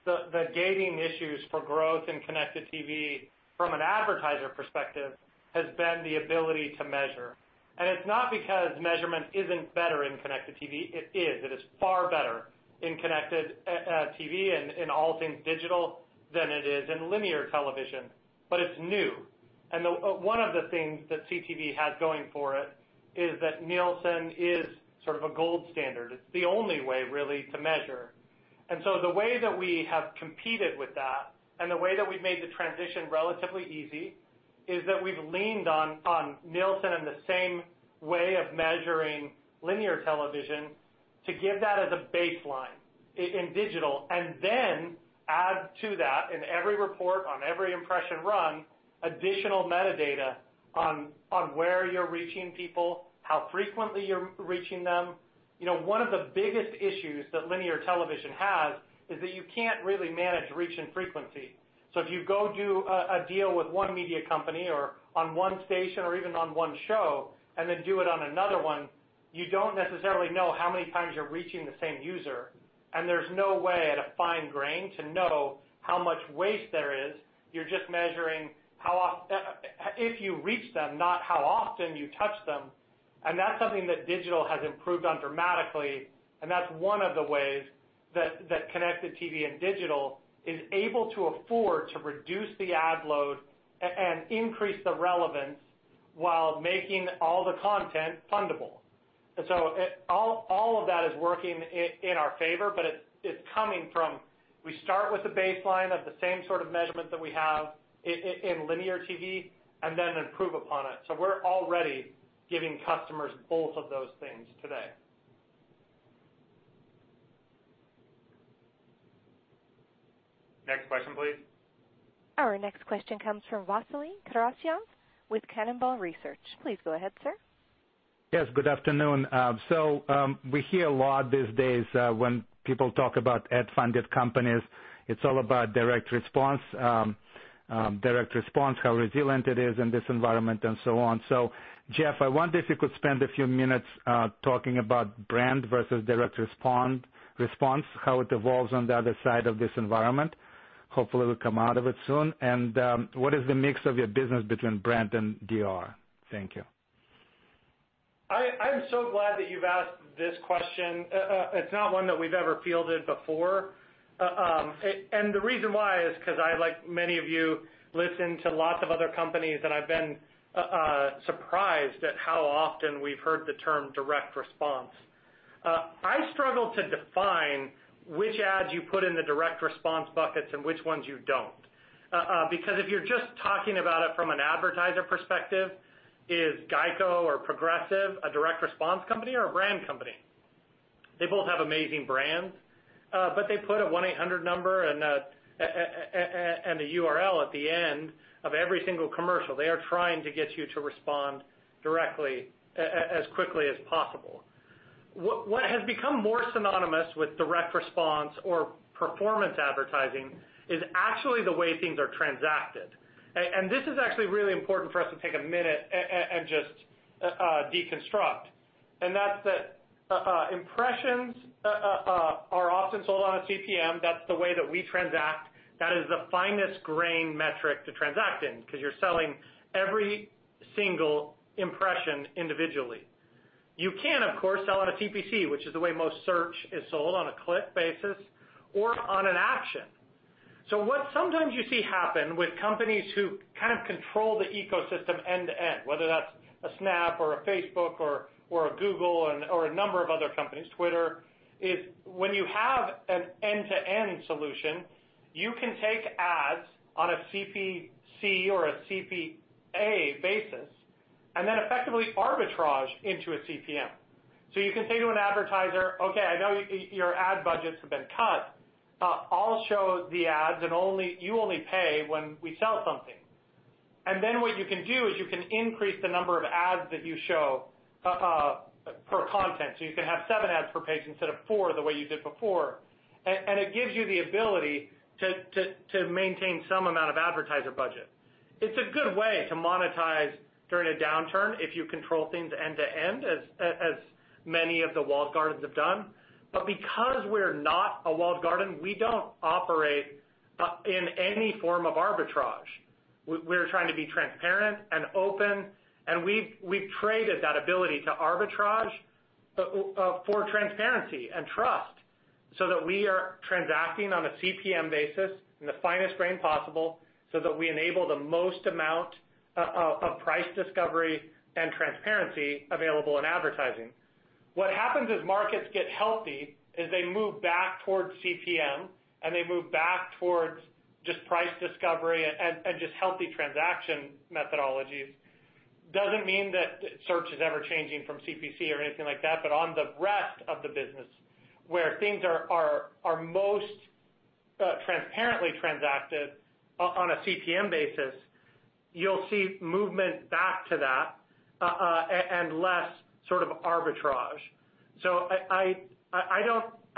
the gating issues for growth in connected TV from an advertiser perspective has been the ability to measure. It's not because measurement isn't better in connected TV, it is. It is far better in connected TV and in all things digital than it is in linear television, but it's new. One of the things that CTV has going for it is that Nielsen is sort of a gold standard. It's the only way really to measure. The way that we have competed with that, and the way that we've made the transition relatively easy, is that we've leaned on Nielsen in the same way of measuring linear television to give that as a baseline in digital, and then add to that in every report, on every impression run, additional metadata on where you're reaching people, how frequently you're reaching them. One of the biggest issues that linear television has is that you can't really manage reach and frequency. If you go do a deal with one media company or on one station or even on one show and then do it on another one, you don't necessarily know how many times you're reaching the same user, and there's no way at a fine grain to know how much waste there is. You're just measuring if you reach them, not how often you touch them. That's something that digital has improved on dramatically, and that's one of the ways that connected TV and digital is able to afford to reduce the ad load and increase the relevance while making all the content fundable. All of that is working in our favor, but it's coming from, we start with a baseline of the same sort of measurement that we have in linear TV and then improve upon it. We're already giving customers both of those things today. Next question, please. Our next question comes from Vasily Karasyov with Cannonball Research. Please go ahead, sir. Yes, good afternoon. We hear a lot these days, when people talk about ad-funded companies, it's all about direct response, how resilient it is in this environment and so on. Jeff, I wonder if you could spend a few minutes talking about brand versus direct response, how it evolves on the other side of this environment. Hopefully, we'll come out of it soon. What is the mix of your business between brand and DR? Thank you. I'm so glad that you've asked this question. It's not one that we've ever fielded before. The reason why is because I, like many of you, listen to lots of other companies, and I've been surprised at how often we've heard the term direct response. I struggle to define which ads you put in the direct response buckets and which ones you don't. Because if you're just talking about it from an advertiser perspective, is GEICO or Progressive a direct response company or a brand company? They both have amazing brands. They put a 1-800 number and a URL at the end of every single commercial. They are trying to get you to respond directly as quickly as possible. What has become more synonymous with direct response or performance advertising is actually the way things are transacted. This is actually really important for us to take a minute and just deconstruct. That's that impressions are often sold on a CPM. That's the way that we transact. That is the finest grain metric to transact in because you're selling every single impression individually. You can, of course, sell on a CPC, which is the way most search is sold on a click basis or on an action. What sometimes you see happen with companies who kind of control the ecosystem end to end, whether that's a Snap or a Facebook or a Google or a number of other companies, Twitter, is when you have an end-to-end solution, you can take ads on a CPC or a CPA basis and then effectively arbitrage into a CPM. You can say to an advertiser, "Okay, I know your ad budgets have been cut. I'll show the ads, and you only pay when we sell something." What you can do is you can increase the number of ads that you show per content. You can have seven ads per page instead of four, the way you did before. It gives you the ability to maintain some amount of advertiser budget. It's a good way to monetize during a downturn if you control things end to end, as many of the walled gardens have done. Because we're not a walled garden, we don't operate in any form of arbitrage. We're trying to be transparent and open, and we've traded that ability to arbitrage for transparency and trust so that we are transacting on a CPM basis in the finest grain possible so that we enable the most amount of price discovery and transparency available in advertising. What happens as markets get healthy is they move back towards CPM, and they move back towards just price discovery and just healthy transaction methodologies. Doesn't mean that search is ever changing from CPC or anything like that, but on the rest of the business where things are most transparently transacted on a CPM basis, you'll see movement back to that, and less sort of arbitrage. I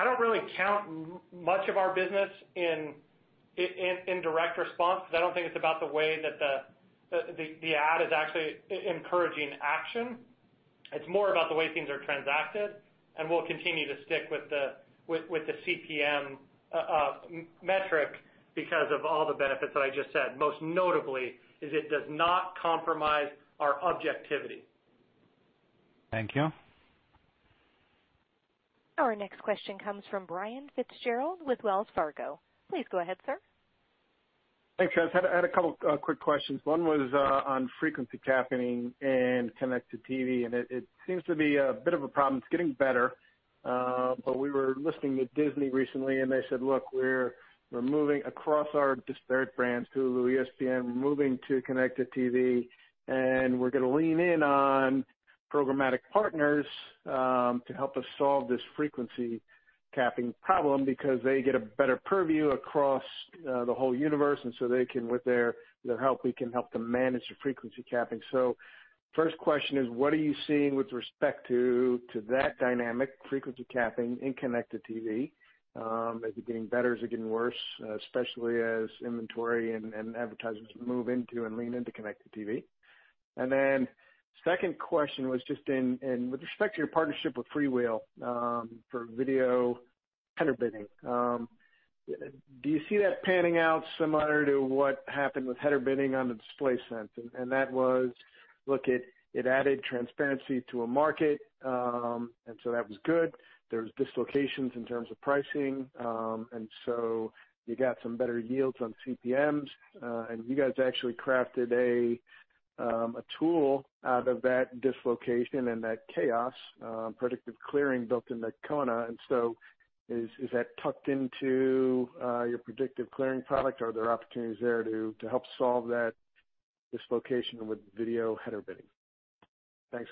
don't really count much of our business in direct response, because I don't think it's about the way that the ad is actually encouraging action. It's more about the way things are transacted, and we'll continue to stick with the CPM metric because of all the benefits that I just said. Most notably, is it does not compromise our objectivity. Thank you. Our next question comes from Brian Fitzgerald with Wells Fargo. Please go ahead, sir. Thanks, guys. Had a couple quick questions. One was on frequency capping and connected TV, and it seems to be a bit of a problem. It's getting better. We were listening to Disney recently, and they said, "Look, we're moving across our disparate brands, Hulu, ESPN, we're moving to connected TV, and we're gonna lean in on programmatic partners to help us solve this frequency capping problem because they get a better purview across the whole universe. And so, they can, with their help, we can help them manage the frequency capping." first question is: what are you seeing with respect to that dynamic frequency capping in connected TV? Is it getting better? Is it getting worse? Especially as inventory and advertisers move into and lean into connected TV. Second question was just in with respect to your partnership with FreeWheel, for video header bidding, do you see that panning out similar to what happened with header bidding on the display sense? That was, look, it added transparency to a market, and so that was good. There was dislocations in terms of pricing, and so you got some better yields on CPMs. You guys actually crafted a tool out of that dislocation and that chaos, Predictive Clearing built into Koa. Is that tucked into your Predictive Clearing product? Are there opportunities there to help solve that dislocation with video header bidding? Thanks.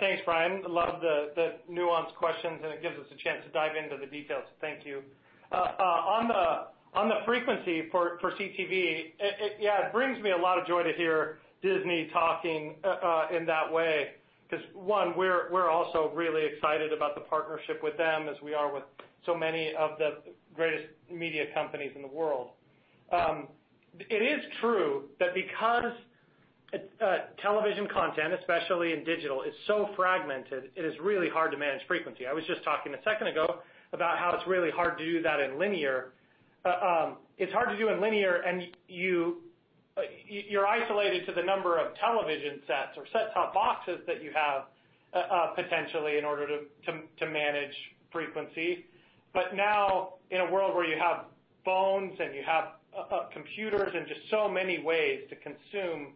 Thanks, Brian. Love the nuanced questions, and it gives us a chance to dive into the details. Thank you. On the frequency for CTV, yeah, it brings me a lot of joy to hear Disney talking in that way, because one, we're also really excited about the partnership with them as we are with so many of the greatest media companies in the world. It is true that because television content, especially in digital, is so fragmented, it is really hard to manage frequency. I was just talking a second ago about how it's really hard to do that in linear. It's hard to do in linear, and you're isolated to the number of television sets or set-top boxes that you have, potentially in order to manage frequency. Now in a world where you have phones and you have computers and just so many ways to consume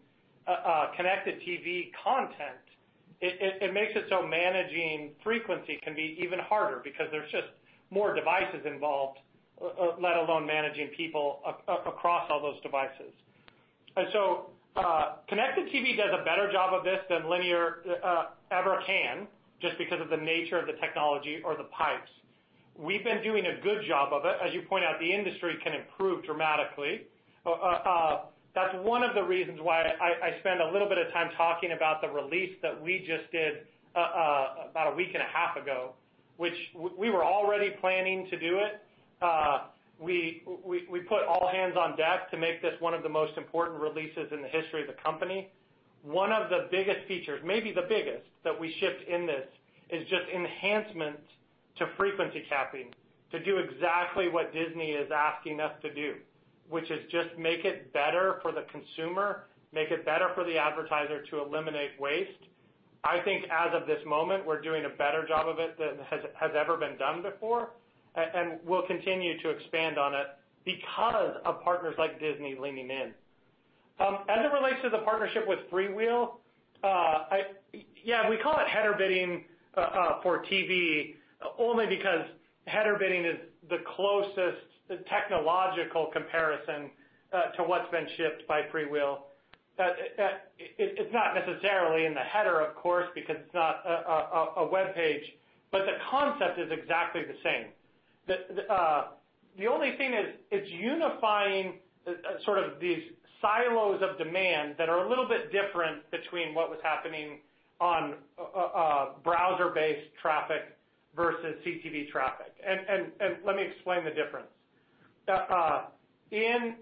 connected TV content, it makes it so managing frequency can be even harder because there's just more devices involved, let alone managing people across all those devices. connected TV does a better job of this than linear ever can, just because of the nature of the technology or the pipes. We've been doing a good job of it. As you point out, the industry can improve dramatically. That's one of the reasons why I spend a little bit of time talking about the release that we just did about a week and a half ago, which we were already planning to do it. We put all hands-on deck to make this one of the most important releases in the history of the company. One of the biggest features, maybe the biggest, that we shipped in this, is just enhancements to frequency capping to do exactly what Disney is asking us to do, which is just make it better for the consumer, make it better for the advertiser to eliminate waste. I think as of this moment, we're doing a better job of it than has ever been done before. We'll continue to expand on it because of partners like Disney leaning in. As it relates to the partnership with FreeWheel, yeah, we call it header bidding for TV, only because header bidding is the closest technological comparison to what's been shipped by FreeWheel. It's not necessarily in the header, of course, because it's not a web page, but the concept is exactly the same. The only thing is it's unifying sort of these silos of demand that are a little bit different between what was happening on browser-based traffic versus CTV traffic. Let me explain the difference. In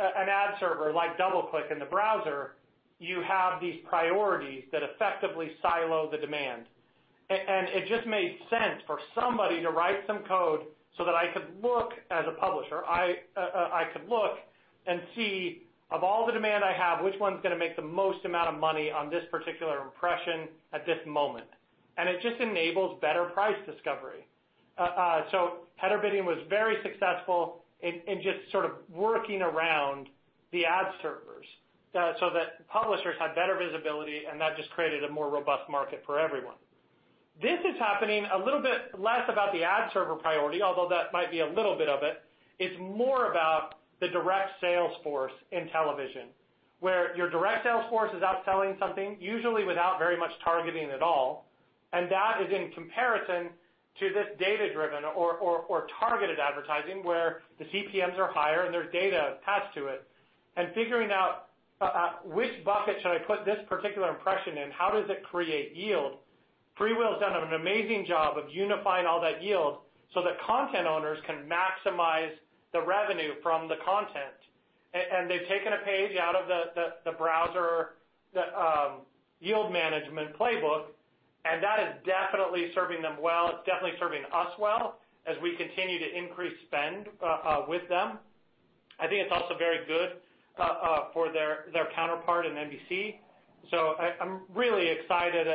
an ad server like DoubleClick in the browser, you have these priorities that effectively silo the demand. It just made sense for somebody to write some code so that I could look as a publisher, I could look and see of all the demand I have, which one's gonna make the most amount of money on this particular impression at this moment. It just enables better price discovery. Header bidding was very successful in just sort of working around the ad servers so that publishers had better visibility, and that just created a more robust market for everyone. This is happening a little bit less about the ad server priority, although that might be a little bit of it. It's more the direct sales force in television, where your direct sales force is out selling something, usually without very much targeting at all. That is in comparison to this data-driven or targeted advertising, where the CPMs are higher and there's data attached to it. Figuring out which bucket should I put this particular impression in? How does it create yield? FreeWheel's done an amazing job of unifying all that yield so that content owners can maximize the revenue from the content. They've taken a page out of the browser, the yield management playbook, and that is definitely serving them well. It's definitely serving us well as we continue to increase spend with them. I think it's also very good for their counterpart in NBC. I'm really excited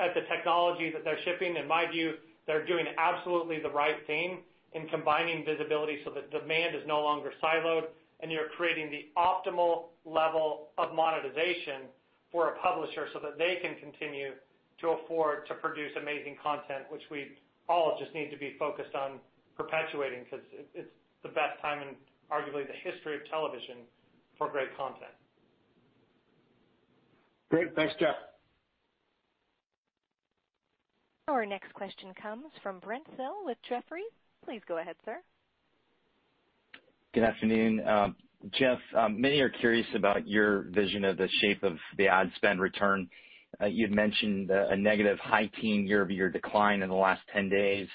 at the technology that they're shipping. In my view, they're doing absolutely the right thing in combining visibility so that demand is no longer siloed, and you're creating the optimal level of monetization for a publisher so that they can continue to afford to produce amazing content, which we all just need to be focused on perpetuating because it's the best time in arguably the history of television for great content. Great. Thanks, Jeff. Our next question comes from Brent Thill with Jefferies. Please go ahead, sir. Good afternoon. Jeff, many are curious about your vision of the shape of the ad spend return. You had mentioned a negative high teen year-over-year decline in the last 10 days.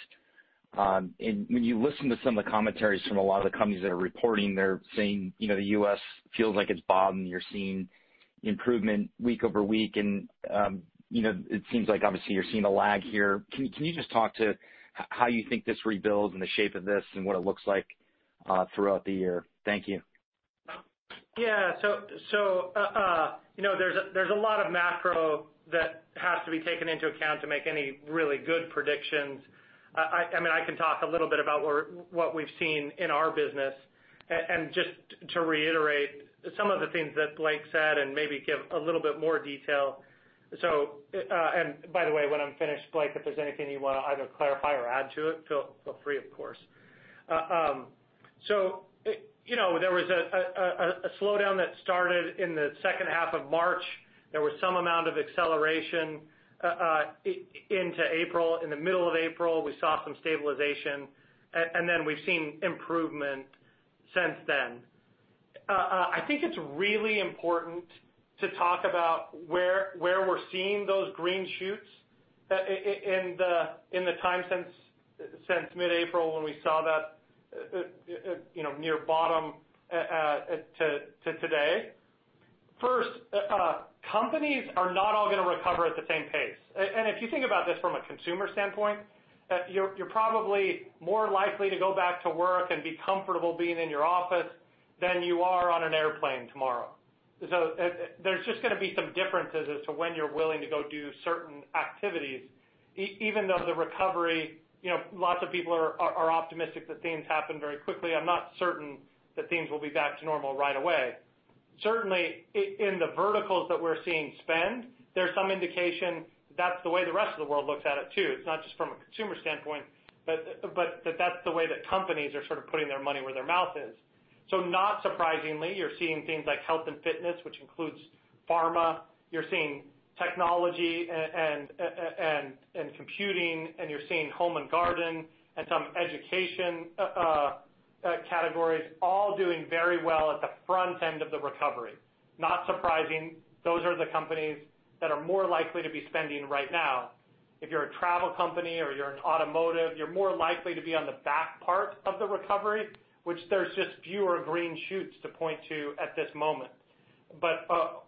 When you listen to some of the commentaries from a lot of the companies that are reporting, they're saying the U.S. feels like it's bottomed. You're seeing improvement week over week, and it seems like obviously you're seeing a lag here. Can you just talk to how you think this rebuild and the shape of this and what it looks like throughout the year? Thank you. Yeah. there's a lot of macro that has to be taken into account to make any really good predictions. I can talk a little bit about what we've seen in our business, and just to reiterate some of the things that Blake said and maybe give a little bit more detail. By the way, when I'm finished, Blake, if there's anything you want to either clarify or add to it, feel free, of course. There was a slowdown that started in the second half of March. There was some amount of acceleration into April. In the middle of April, we saw some stabilization. Then we've seen improvement since then. I think it's really important to talk about where we're seeing those green shoots in the time since mid-April when we saw that near bottom to today. First, companies are not all going to recover at the same pace. If you think about this from a consumer standpoint, you're probably more likely to go back to work and be comfortable being in your office than you are on an airplane tomorrow. There's just going to be some differences as to when you're willing to go do certain activities, even though lots of people are optimistic that things happen very quickly. I'm not certain that things will be back to normal right away. Certainly, in the verticals that we're seeing spend, there's some indication that's the way the rest of the world looks at it, too. It's not just from a consumer standpoint, but that's the way that companies are sort of putting their money where their mouth is. Not surprisingly, you're seeing things like health and fitness, which includes pharma. You're seeing technology and computing, and you're seeing home and garden and some education categories all doing very well at the front end of the recovery. Not surprising, those are the companies that are more likely to be spending right now. If you're a travel company or you're in automotive, you're more likely to be on the back part of the recovery, which there's just fewer green shoots to point to at this moment.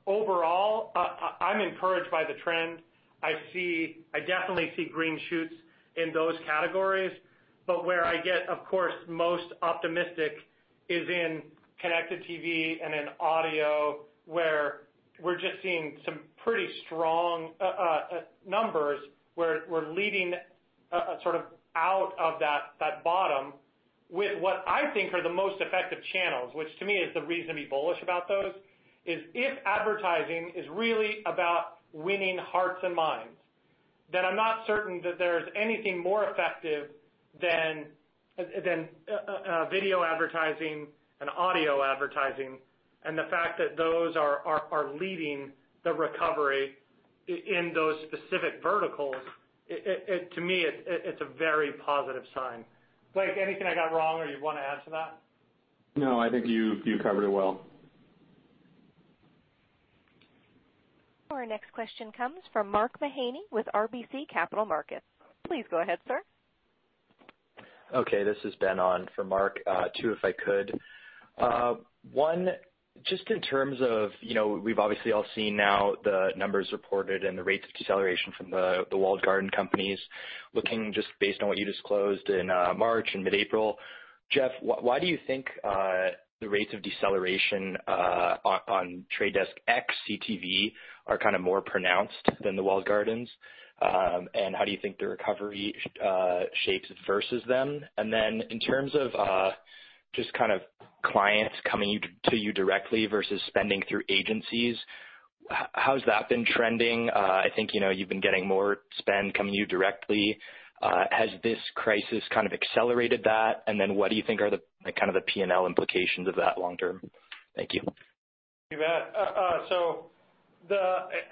Overall, I'm encouraged by the trend. I definitely see green shoots in those categories. Where I get, of course, most optimistic is in connected TV and in audio, where we're just seeing some pretty strong numbers, where we're leading sort of out of that bottom with what I think are the most effective channels, which to me is the reason to be bullish about those, is if advertising is really about winning hearts and minds, then I'm not certain that there's anything more effective than video advertising and audio advertising. The fact that those are leading the recovery in those specific verticals, to me, it's a very positive sign. Blake, anything I got wrong or you want to add to that? No, I think you covered it well. Our next question comes from Mark Mahaney with RBC Capital Markets. Please go ahead, sir. Okay, this is Ben on for Mark. Two, if I could. One, just in terms of, we've obviously all seen now the numbers reported and the rates of deceleration from the walled garden companies. Looking just based on what you disclosed in March and mid-April, Jeff, why do you think the rates of deceleration on Trade Desk ex-CTV are kind of more pronounced than the walled gardens? How do you think the recovery shapes versus them? In terms of just kind of clients coming to you directly versus spending through agencies How has that been trending? I think you've been getting more spend coming to you directly. Has this crisis kind of accelerated that? What do you think are the P&L implications of that long term? Thank you. You bet.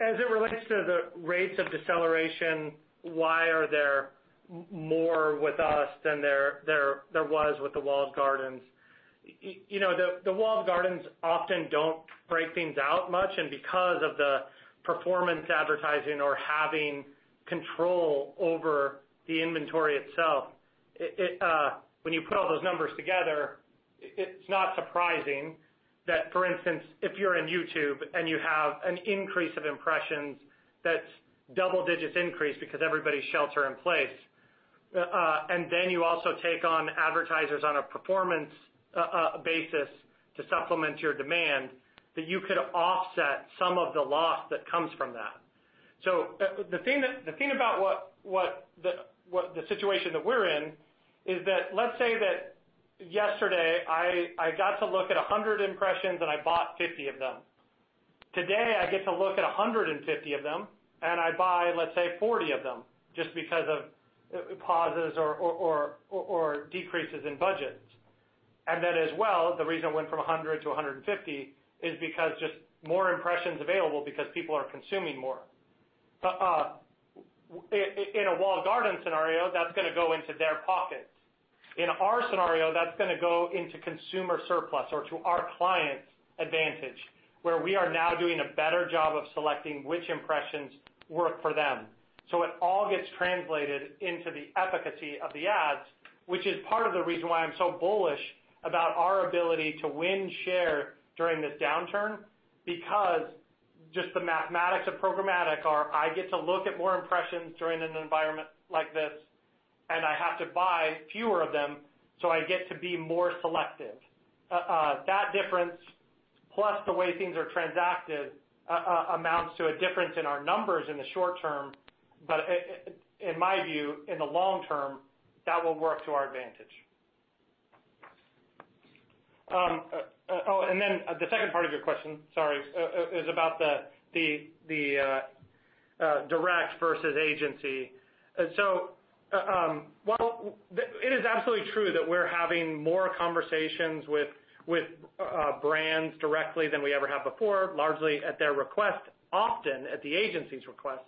As it relates to the rates of deceleration, why are there more with us than there was with the walled gardens? The walled gardens often don't break things out much, and because of the performance advertising or having control over the inventory itself, when you put all those numbers together, it's not surprising that, for instance, if you're in YouTube and you have an increase of impressions, that's double digits increase because everybody's shelter in place. You also take on advertisers on a performance basis to supplement your demand, that you could offset some of the loss that comes from that. The thing about the situation that we're in is that, let's say that yesterday I got to look at 100 impressions and I bought 50 of them. Today, I get to look at 150 of them, and I buy, let's say, 40 of them just because of pauses or decreases in budgets. As well, the reason it went from 100 to 150 is because just more impressions available because people are consuming more. In a walled garden scenario, that's going to go into their pockets. In our scenario, that's going to go into consumer surplus or to our clients' advantage, where we are now doing a better job of selecting which impressions work for them. It all gets translated into the efficacy of the ads, which is part of the reason why I'm so bullish about our ability to win share during this downturn, because just the mathematics of programmatic are, I get to look at more impressions during an environment like this, and I have to buy fewer of them, so I get to be more selective. That difference, plus the way things are transacted, amounts to a difference in our numbers in the short term, but in my view, in the long term, that will work to our advantage. The second part of your question, sorry, is about the direct versus agency. It is absolutely true that we're having more conversations with brands directly than we ever have before, largely at their request, often at the agency's request,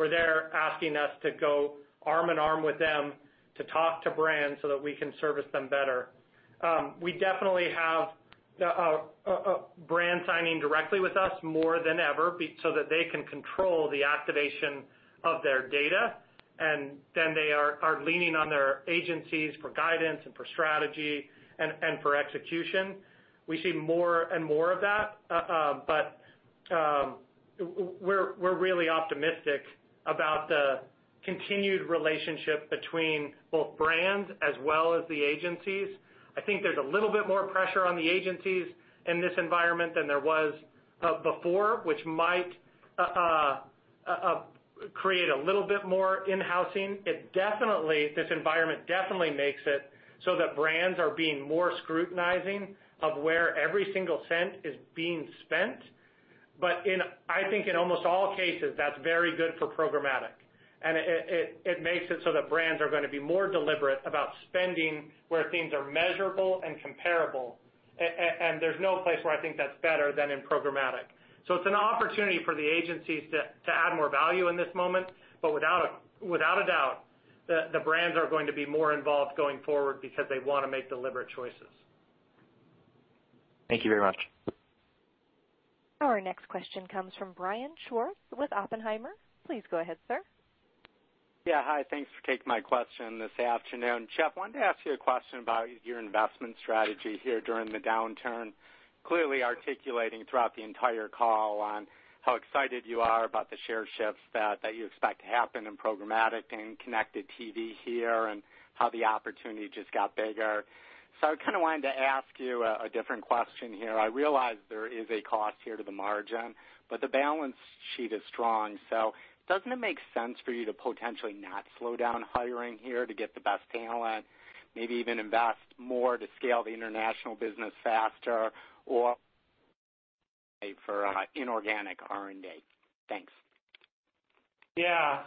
where they're asking us to go arm in arm with them to talk to brands so that we can service them better. We definitely have brands signing directly with us more than ever so that they can control the activation of their data, and then they are leaning on their agencies for guidance and for strategy and for execution. We see more and more of that, but we're really optimistic about the continued relationship between both brands as well as the agencies. I think there's a little bit more pressure on the agencies in this environment than there was before, which might create a little bit more in-housing. This environment definitely makes it so that brands are being more scrutinizing of where every single cent is being spent. I think in almost all cases, that's very good for programmatic, and it makes it so that brands are going to be more deliberate about spending where things are measurable and comparable. There's no place where I think that's better than in programmatic. It's an opportunity for the agencies to add more value in this moment, but without a doubt, the brands are going to be more involved going forward because they want to make deliberate choices. Thank you very much. Our next question comes from Brian Schwartz with Oppenheimer. Please go ahead, sir. Yeah. Hi, thanks for taking my question this afternoon. Jeff, wanted to ask you a question about your investment strategy here during the downturn, clearly articulating throughout the entire call on how excited you are about the share shifts that you expect to happen in programmatic and connected TV here and how the opportunity just got bigger. I kind of wanted to ask you a different question here. I realize there is a cost here to the margin, but the balance sheet is strong, so doesn't it make sense for you to potentially not slow down hiring here to get the best talent, maybe even invest more to scale the international business faster or pay for inorganic R&D? Thanks. Yeah.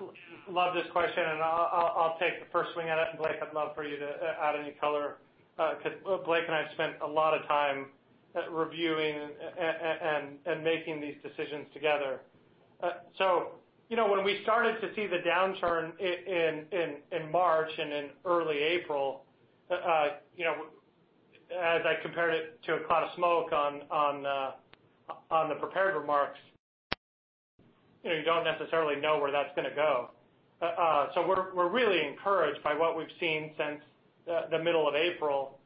Love this question, and I'll take the first swing at it, and Blake, I'd love for you to add any color, because Blake and I have spent a lot of time reviewing and making these decisions together. When we started to see the downturn in March and in early April, as I compared it to a cloud of smoke on the prepared remarks, you don't necessarily know where that's going to go. We're really encouraged by what we've seen since the middle of April.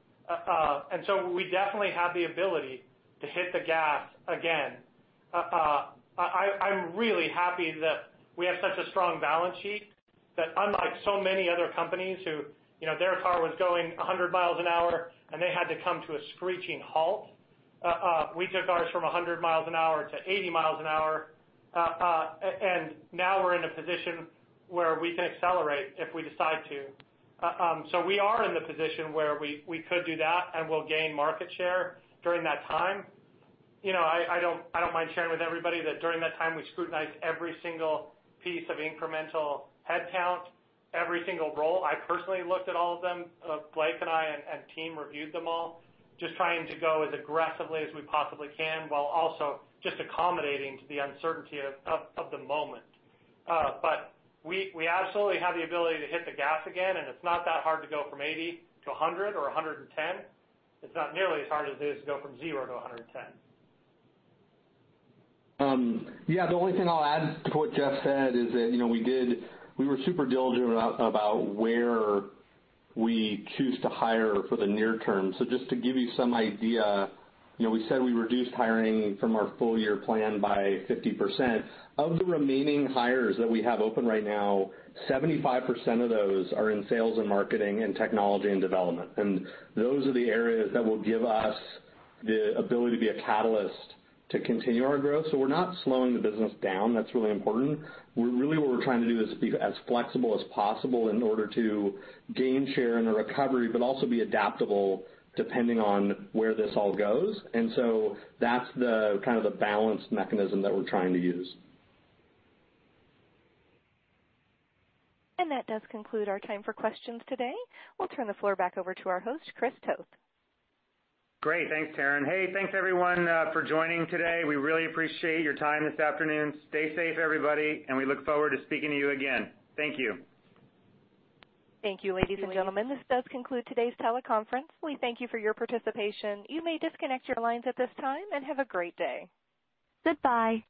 We definitely have the ability to hit the gas again. I'm really happy that we have such a strong balance sheet that unlike so many other companies who their car was going 100 mph, and they had to come to a screeching halt, we took ours from 100 mph to 80 mph. Now we're in a position where we can accelerate if we decide to. We are in the position where we could do that, and we'll gain market share during that time. I don't mind sharing with everybody that during that time, we scrutinized every single piece of incremental headcount, every single role. I personally looked at all of them. Blake and I, and team reviewed them all, just trying to go as aggressively as we possibly can, while also just accommodating to the uncertainty of the moment. We absolutely have the ability to hit the gas again, and it's not that hard to go from 80 to 100 mph or 110 mph. It's not nearly as hard as it is to go from zero to 110 mph. The only thing I'll add to what Jeff said is that we were super diligent about where we choose to hire for the near term. Just to give you some idea, we said we reduced hiring from our full-year plan by 50%. Of the remaining hires that we have open right now, 75% of those are in sales and marketing and technology and development. Those are the areas that will give us the ability to be a catalyst to continue our growth. We're not slowing the business down. That's really important. Really, what we're trying to do is be as flexible as possible in order to gain share in a recovery but also be adaptable depending on where this all goes. That's the kind of the balanced mechanism that we're trying to use. That does conclude our time for questions today. We'll turn the floor back over to our host, Chris Toth. Great. Thanks, Taryn. Hey, thanks everyone for joining today. We really appreciate your time this afternoon. Stay safe, everybody, and we look forward to speaking to you again. Thank you. Thank you, ladies and gentlemen. This does conclude today's teleconference. We thank you for your participation. You may disconnect your lines at this time. Have a great day. Goodbye.